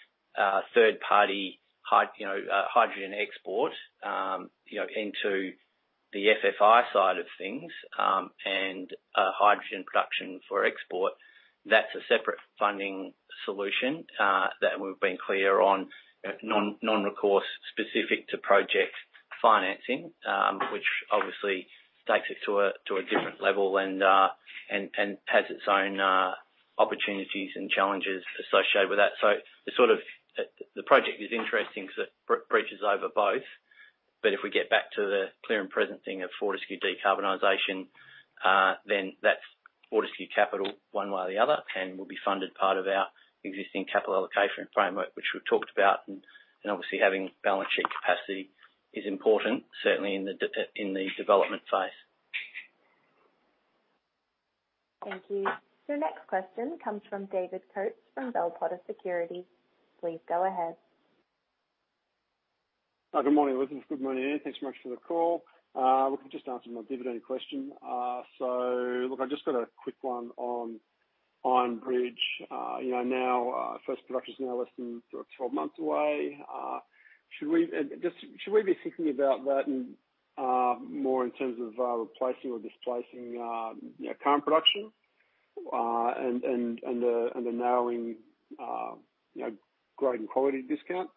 third-party hydrogen export, you know, hydrogen export, you know, into the FFI side of things, and hydrogen production for export, that's a separate funding solution that we've been clear on. Non-recourse specific to project financing, which obviously takes it to a different level and has its own opportunities and challenges associated with that. The sort of project is interesting 'cause it bridges over both. If we get back to the clear and present thing of Fortescue decarbonization, then that's Fortescue capital one way or the other and will be funded part of our existing capital allocation framework, which we've talked about. Obviously having balance sheet capacity is important, certainly in the development phase. Thank you. Your next question comes from David Coates from Bell Potter Securities. Please go ahead. Good morning, Elizabeth. Good morning, Ian. Thanks so much for the call. Look, you just answered my dividend question. So look, I've just got Iron Bridge. you know, now, first production's now less than sort of 12 months away. Should we be thinking about that and more in terms of replacing or displacing, you know, current production, and the narrowing, you know, grade and quality discount?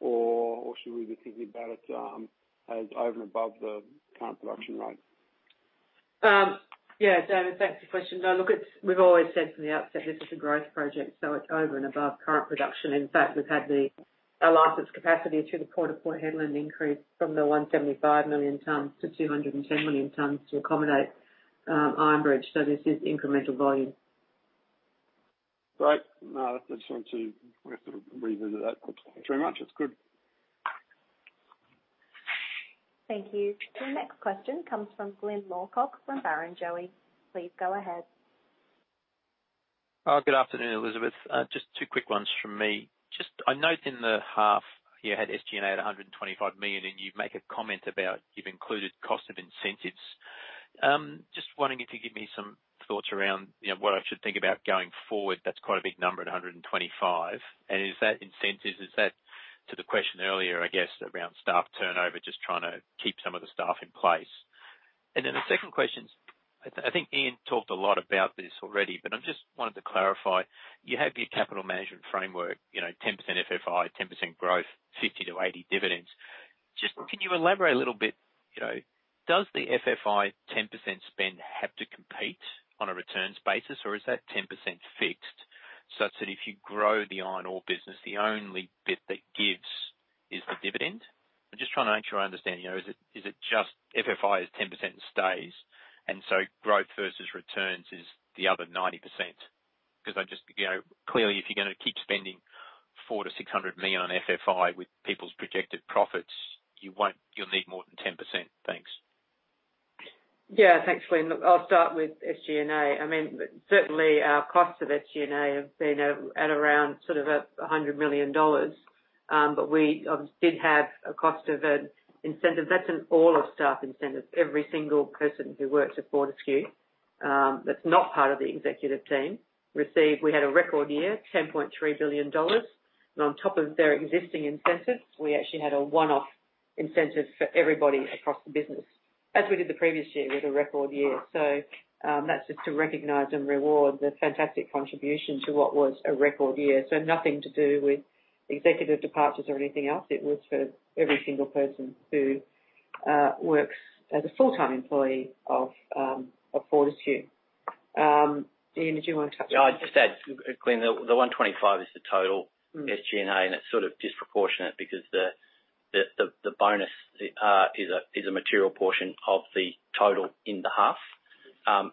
Or should we be thinking about it as over and above the current production rate? Yeah, David, thanks for the question. No, look, it's we've always said from the outset this is a growth project, so it's over and above current production. In fact, we've had our license capacity to the port to Port Hedland increase from 175 million tons-210 million tons to accomodate Iron Bridge. this is incremental volume. Great. No, I just wanted to sort of revisit that quickly. Thanks very much. That's good. Thank you. The next question comes from Glyn Lawcock from Barrenjoey. Please go ahead. Good afternoon, Elizabeth. Just two quick ones from me. Just I note in the half, you had SG&A at 125 million, and you make a comment about you've included cost of incentives. Just wondering if you could give me some thoughts around, you know, what I should think about going forward. That's quite a big number at 125 million. Is that incentives, is that the question earlier, I guess, around staff turnover, just trying to keep some of the staff in place. Then the second question, I think Ian talked a lot about this already, but I just wanted to clarify. You have your capital management framework, you know, 10% FFI, 10% growth, 50%-80% dividends. Just, can you elaborate a little bit, you know, does the FFI 10% spend have to compete on a returns basis, or is that 10% fixed such that if you grow the iron ore business, the only bit that gives is the dividend? I'm just trying to make sure I understand, you know, is it, is it just FFI is 10% stays and so growth versus returns is the other 90%? 'Cause I just, you know, clearly if you're gonna keep spending 400 million-600 million on FFI with people's projected profits, you'll need more than 10%. Thanks. Yeah. Thanks, Glyn. Look, I'll start with SG&A. I mean, certainly our costs of SG&A have been at around sort of 100 million dollars. We obviously did have a cost of an incentive. That's in all of staff incentives. Every single person who works at Fortescue, that's not part of the executive team received. We had a record year, 10.3 billion dollars. On top of their existing incentives, we actually had a one-off incentive for everybody across the business, as we did the previous year with a record year. That's just to recognize and reward the fantastic contribution to what was a record year. Nothing to do with executive departures or anything else. It was for every single person who works as a full-time employee of Fortescue. Ian, did you wanna touch on that? Yeah, I'd just add, Glyn, the 125 million is the total- Mm. SG&A, it's sort of disproportionate because the bonus is a material portion of the total in the half.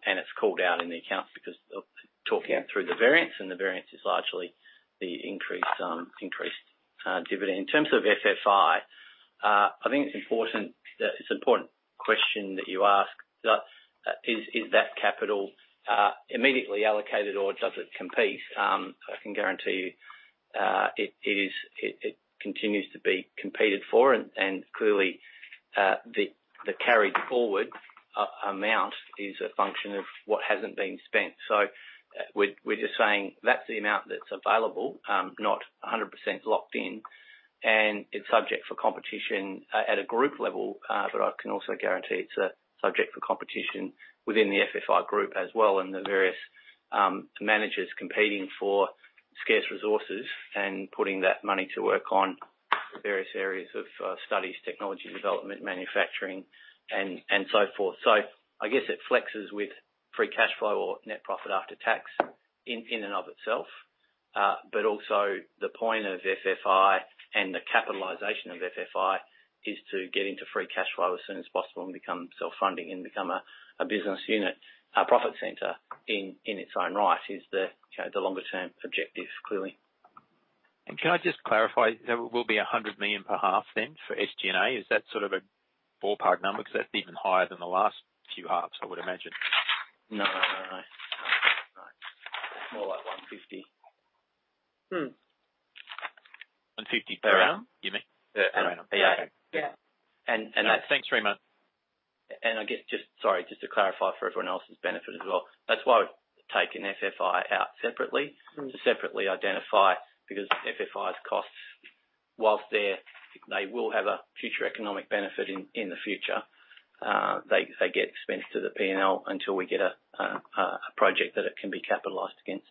It's called out in the accounts because of talking through the variance, and the variance is largely the increased dividend. In terms of FFI, I think it's an important question that you ask: is that capital immediately allocated or does it compete? I can guarantee you, it continues to be competed for and clearly, the carried forward amount is a function of what hasn't been spent. We're just saying that's the amount that's available, not 100% locked in, and it's subject to competition at a group level. I can also guarantee it's a subject for competition within the FFI group as well, and the various managers competing for scarce resources and putting that money to work on various areas of studies, technology development, manufacturing and so forth. I guess it flexes with free cash flow or net profit after tax in and of itself. Also the point of FFI and the capitalization of FFI is to get into free cash flow as soon as possible and become self-funding and become a business unit. Our profit center in its own right is the longer term objective, clearly. Can I just clarify, there will be 100 million per half then for SG&A? Is that sort of a ballpark number? Because that's even higher than the last few halves, I would imagine. No. It's more like 150 million. Hmm. 150 million per annum, you mean? Yeah, per annum. Yeah. And, and that- Thanks very much. I guess, sorry, just to clarify for everyone else's benefit as well. That's why we've taken FFI out separately. Mm. to separately identify because FFI's costs, whilst they're they will have a future economic benefit in the future, they get expensed to the P&L until we get a project that it can be capitalized against.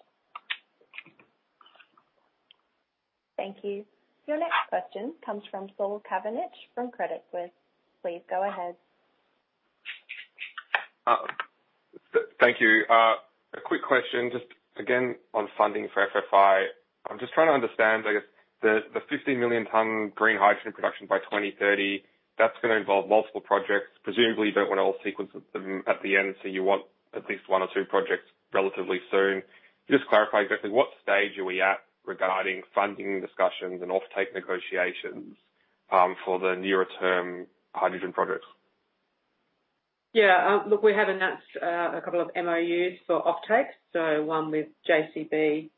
Thank you. Your next question comes from Saul Kavonic from Credit Suisse. Please go ahead. Thank you. A quick question just again on funding for FFI. I'm just trying to understand, I guess, the 50 million ton green hydrogen production by 2030, that's gonna involve multiple projects. Presumably, you don't wanna all sequence them at the end, so you want at least one or two projects relatively soon. Just clarify exactly what stage are we at regarding funding discussions and offtake negotiations, for the nearer term hydrogen projects? Yeah. Look, we have announced a couple of MOUs for offtake, so one with JCB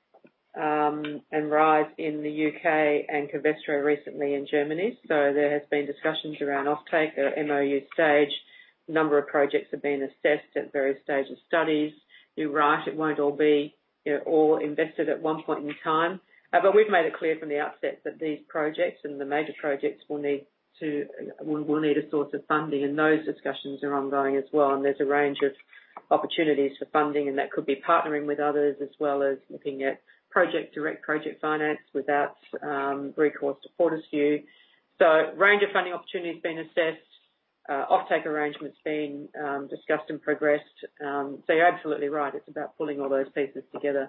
and Ryze in the U.K. and Covestro recently in Germany. There has been discussions around offtake at MoU stage. A number of projects have been assessed at various stages of studies. You're right, it won't all be, you know, all invested at one point in time. We've made it clear from the outset that these projects and the major projects will need a source of funding, and those discussions are ongoing as well. There's a range of opportunities for funding, and that could be partnering with others as well as looking at direct project finance without recourse to Fortescue. Range of funding opportunities being assessed, offtake arrangements being discussed and progressed. You're absolutely right. It's about pulling all those pieces together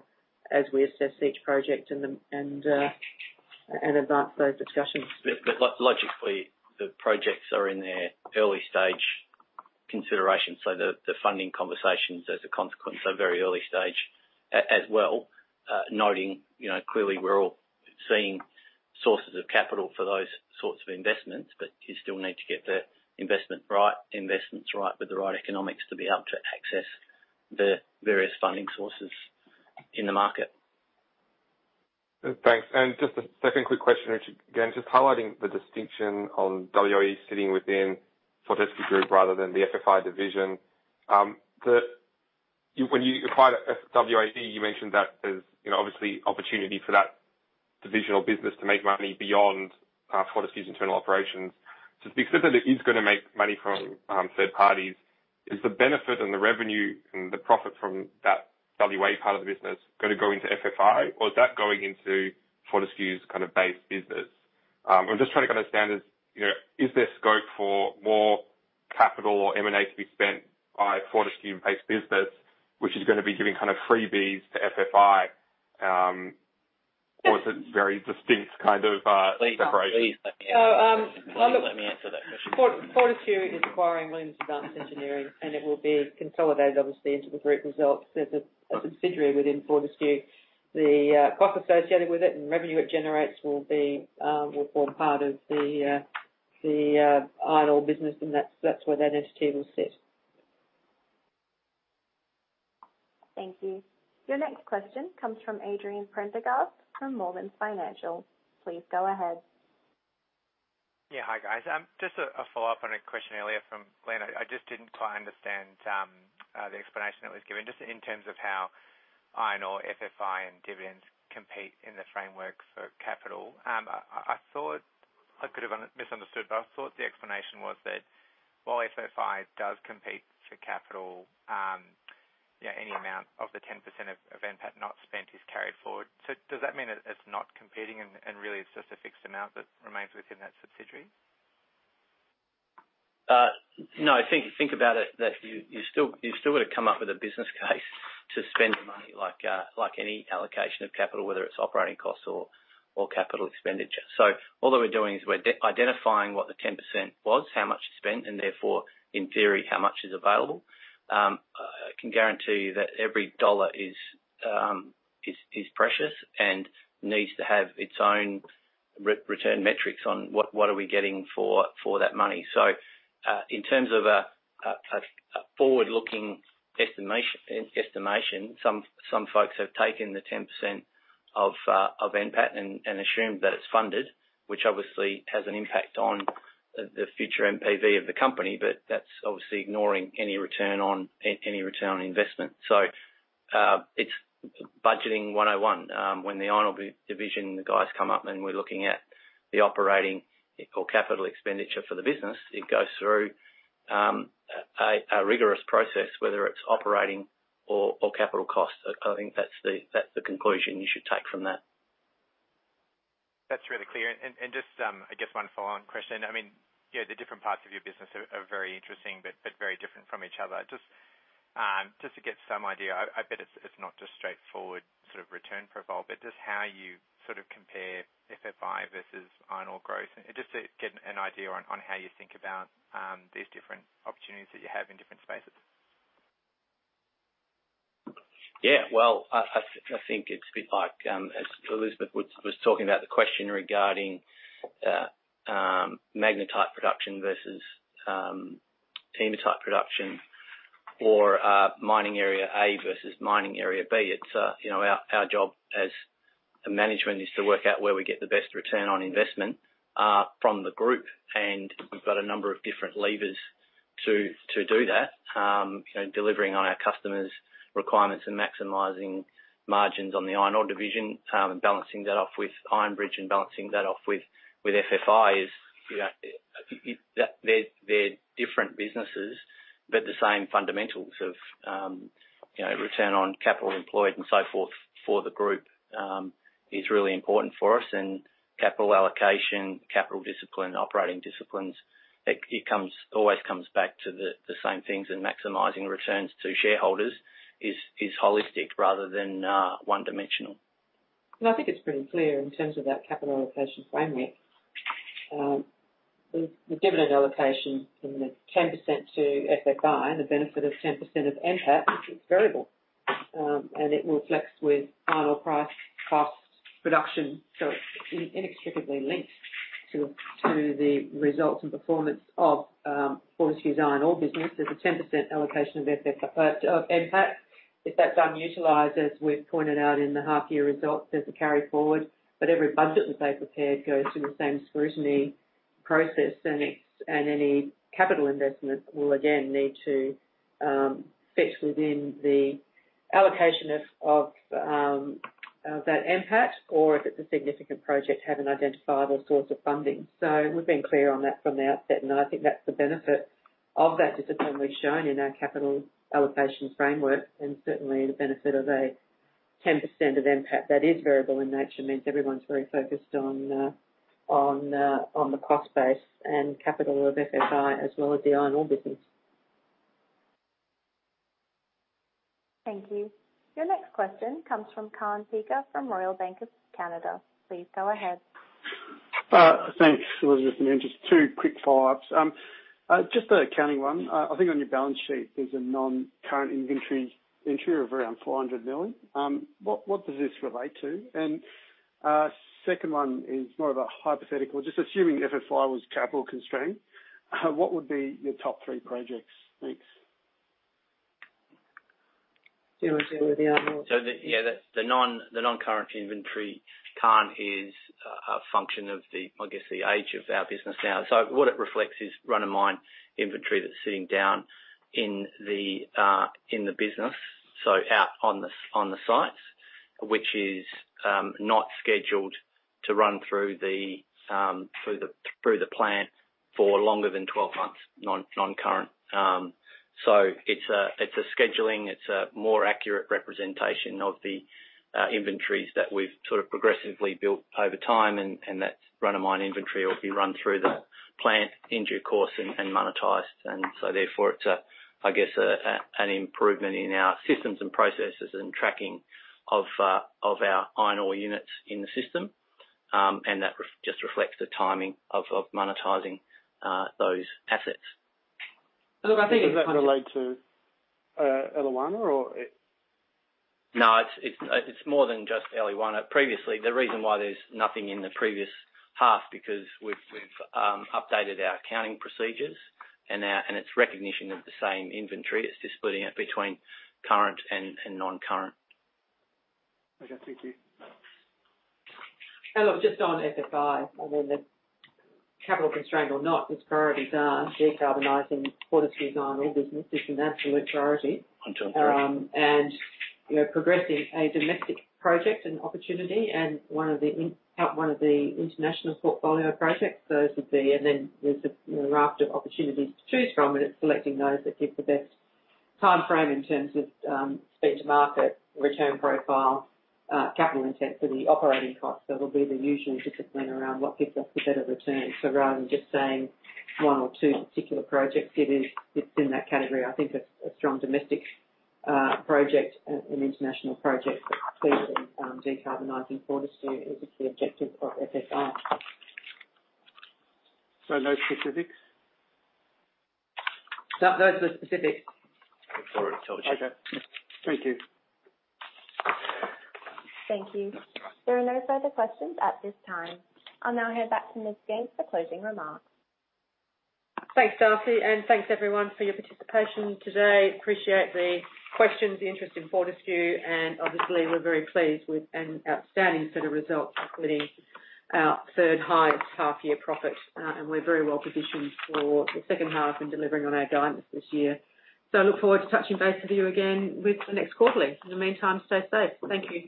as we assess each project and advance those discussions. Logically, the projects are in their early stage consideration, so the funding conversations as a consequence are very early stage as well. Noting, you know, clearly we're all seeing sources of capital for those sorts of investments, but you still need to get the investments right with the right economics to be able to access the various funding sources in the market. Thanks. Just a second quick question, which again, just highlighting the distinction on WAE sitting within Fortescue Group rather than the FFI division. When you acquired WAE, you mentioned that there's, you know, obviously opportunity for that divisional business to make money beyond Fortescue's internal operations. Just because it is gonna make money from third parties, is the benefit and the revenue and the profit from that WAE part of the business gonna go into FFI, or is that going into Fortescue's kind of base business? I'm just trying to understand is, you know, is there scope for more capital or M&A to be spent by Fortescue in base business, which is gonna be giving kind of freebies to FFI, or is it very distinct kind of separation? Please, please let me answer. So, um. Let me answer that question. Fortescue is acquiring Williams Advanced Engineering, and it will be consolidated, obviously, into the group results as a subsidiary within Fortescue. The cost associated with it and revenue it generates will form part of the iron ore business, and that's where that entity will sit. Thank you. Your next question comes from Adrian Prendergast from Morgans Financial. Please go ahead. Yeah, hi, guys. Just a follow-up on a question earlier from Glyn. I just didn't quite understand the explanation that was given, just in terms of how iron ore, FFI, and dividends compete in the framework for capital. I thought I could've misunderstood, but I thought the explanation was that while FFI does compete for capital, yeah, any amount of the 10% of NPAT not spent is carried forward. Does that mean it's not competing and really it's just a fixed amount that remains within that subsidiary? No. Think about it that you still gotta come up with a business case to spend the money like any allocation of capital, whether it's operating costs or capital expenditure. All that we're doing is we're de-identifying what the 10% was, how much is spent, and therefore, in theory, how much is available. I can guarantee you that every dollar is precious and needs to have its own return metrics on what are we getting for that money. In terms of a forward-looking estimation, some folks have taken the 10% of NPAT and assumed that it's funded, which obviously has an impact on the future NPV of the company. That's obviously ignoring any return on investment. It's budgeting 101. When the iron ore division, the guys come up and we're looking at the operating or capital expenditure for the business, it goes through a rigorous process, whether it's operating or capital costs. I think that's the conclusion you should take from that. That's really clear. Just, I guess one follow-on question. I mean, you know, the different parts of your business are very interesting but very different from each other. Just to get some idea, I bet it's not just straightforward sort of return profile, but just how you sort of compare FFI versus iron ore growth. Just to get an idea on how you think about these different opportunities that you have in different spaces. Well, I think it's a bit like as Elizabeth was talking about the question regarding magnetite production versus hematite production or mining area A versus mining area B. It's our job as a management to work out where we get the best return on investment from the group. We've got a number of different levers to do that. Delivering on our customers' requirements and maximizing margins on the iron ore division and balancing that off with Iron Bridge and balancing that off with FFI is that they're different businesses, but the same fundamentals of return on capital employed and so forth for the group is really important for us. Capital allocation, capital discipline, operating disciplines, it always comes back to the same things. Maximizing returns to shareholders is holistic rather than one-dimensional. I think it's pretty clear in terms of that capital allocation framework. The dividend allocation from the 10% to FFI and the benefit of 10% of NPAT, which is variable, and it will flex with iron ore price, costs, production. It's inextricably linked to the results and performance of Fortescue's iron ore business. There's a 10% allocation of NPAT. If that's unutilized, as we've pointed out in the half year results, there's a carry forward. Every budget that they've prepared goes through the same scrutiny process, and any capital investment will again need to fit within the allocation of that NPAT or, if it's a significant project, have an identifiable source of funding. We've been clear on that from the outset, and I think that's the benefit of that discipline we've shown in our capital allocation framework. Certainly the benefit of 10% of NPAT that is variable in nature means everyone's very focused on the cost base and capital of FFI as well as the iron ore business. Thank you. Your next question comes from Kaan Peker from Royal Bank of Canada. Please go ahead. Thanks, Elizabeth. Just two quick follow-ups. Just an accounting one. I think on your balance sheet there's a non-current inventory of around 400 million. What does this relate to? Second one is more of a hypothetical. Just assuming FFI was capital constrained, what would be your top three projects? Thanks. Do you wanna deal with the outlays? The non-current inventory, Kaan, is a function of the age of our business now. What it reflects is run-of-mine inventory that's sitting down in the business, so out on the sites, which is not scheduled to run through the plant for longer than 12 months, non-current. It's a scheduling. It's a more accurate representation of the inventories that we've sort of progressively built over time, and that run-of-mine inventory will be run through the plant in due course and monetized. Therefore it's an improvement in our systems and processes and tracking of our iron ore units in the system. that just reflects the timing of monetizing those assets. Look, I think. Does that relate to Eliwana or it? No, it's more than just Eliwana. Previously, the reason why there's nothing in the previous half is because we've updated our accounting procedures and its recognition of the same inventory. It's just splitting it between current and non-current. Okay. Thank you. Look, just on FFI, I mean, the capital constrained or not, its priorities are decarbonizing Fortescue's iron ore business is an absolute priority. We are progressing a domestic project and opportunity and one of the international portfolio projects. Those would be. There's a, you know, raft of opportunities to choose from, and it's selecting those that give the best timeframe in terms of, speed to market, return profile, capital intensity, operating costs. It'll be the usual discipline around what gives us the better return. Rather than just saying one or two particular projects, it is, it's in that category. I think a strong domestic project and an international project that plays in decarbonizing Fortescue is a key objective of FFI. No specifics? No, those were the specifics. Sorry. I told you. Okay. Thank you. Thank you. There are no further questions at this time. I'll now hand back to Ms. Gaines for closing remarks. Thanks, Darcy. Thanks everyone for your participation today. Appreciate the questions, the interest in Fortescue, and obviously we're very pleased with an outstanding set of results, including our third highest half year profit. We're very well positioned for the second half in delivering on our guidance this year. I look forward to touching base with you again with the next quarterly. In the meantime, stay safe. Thank you.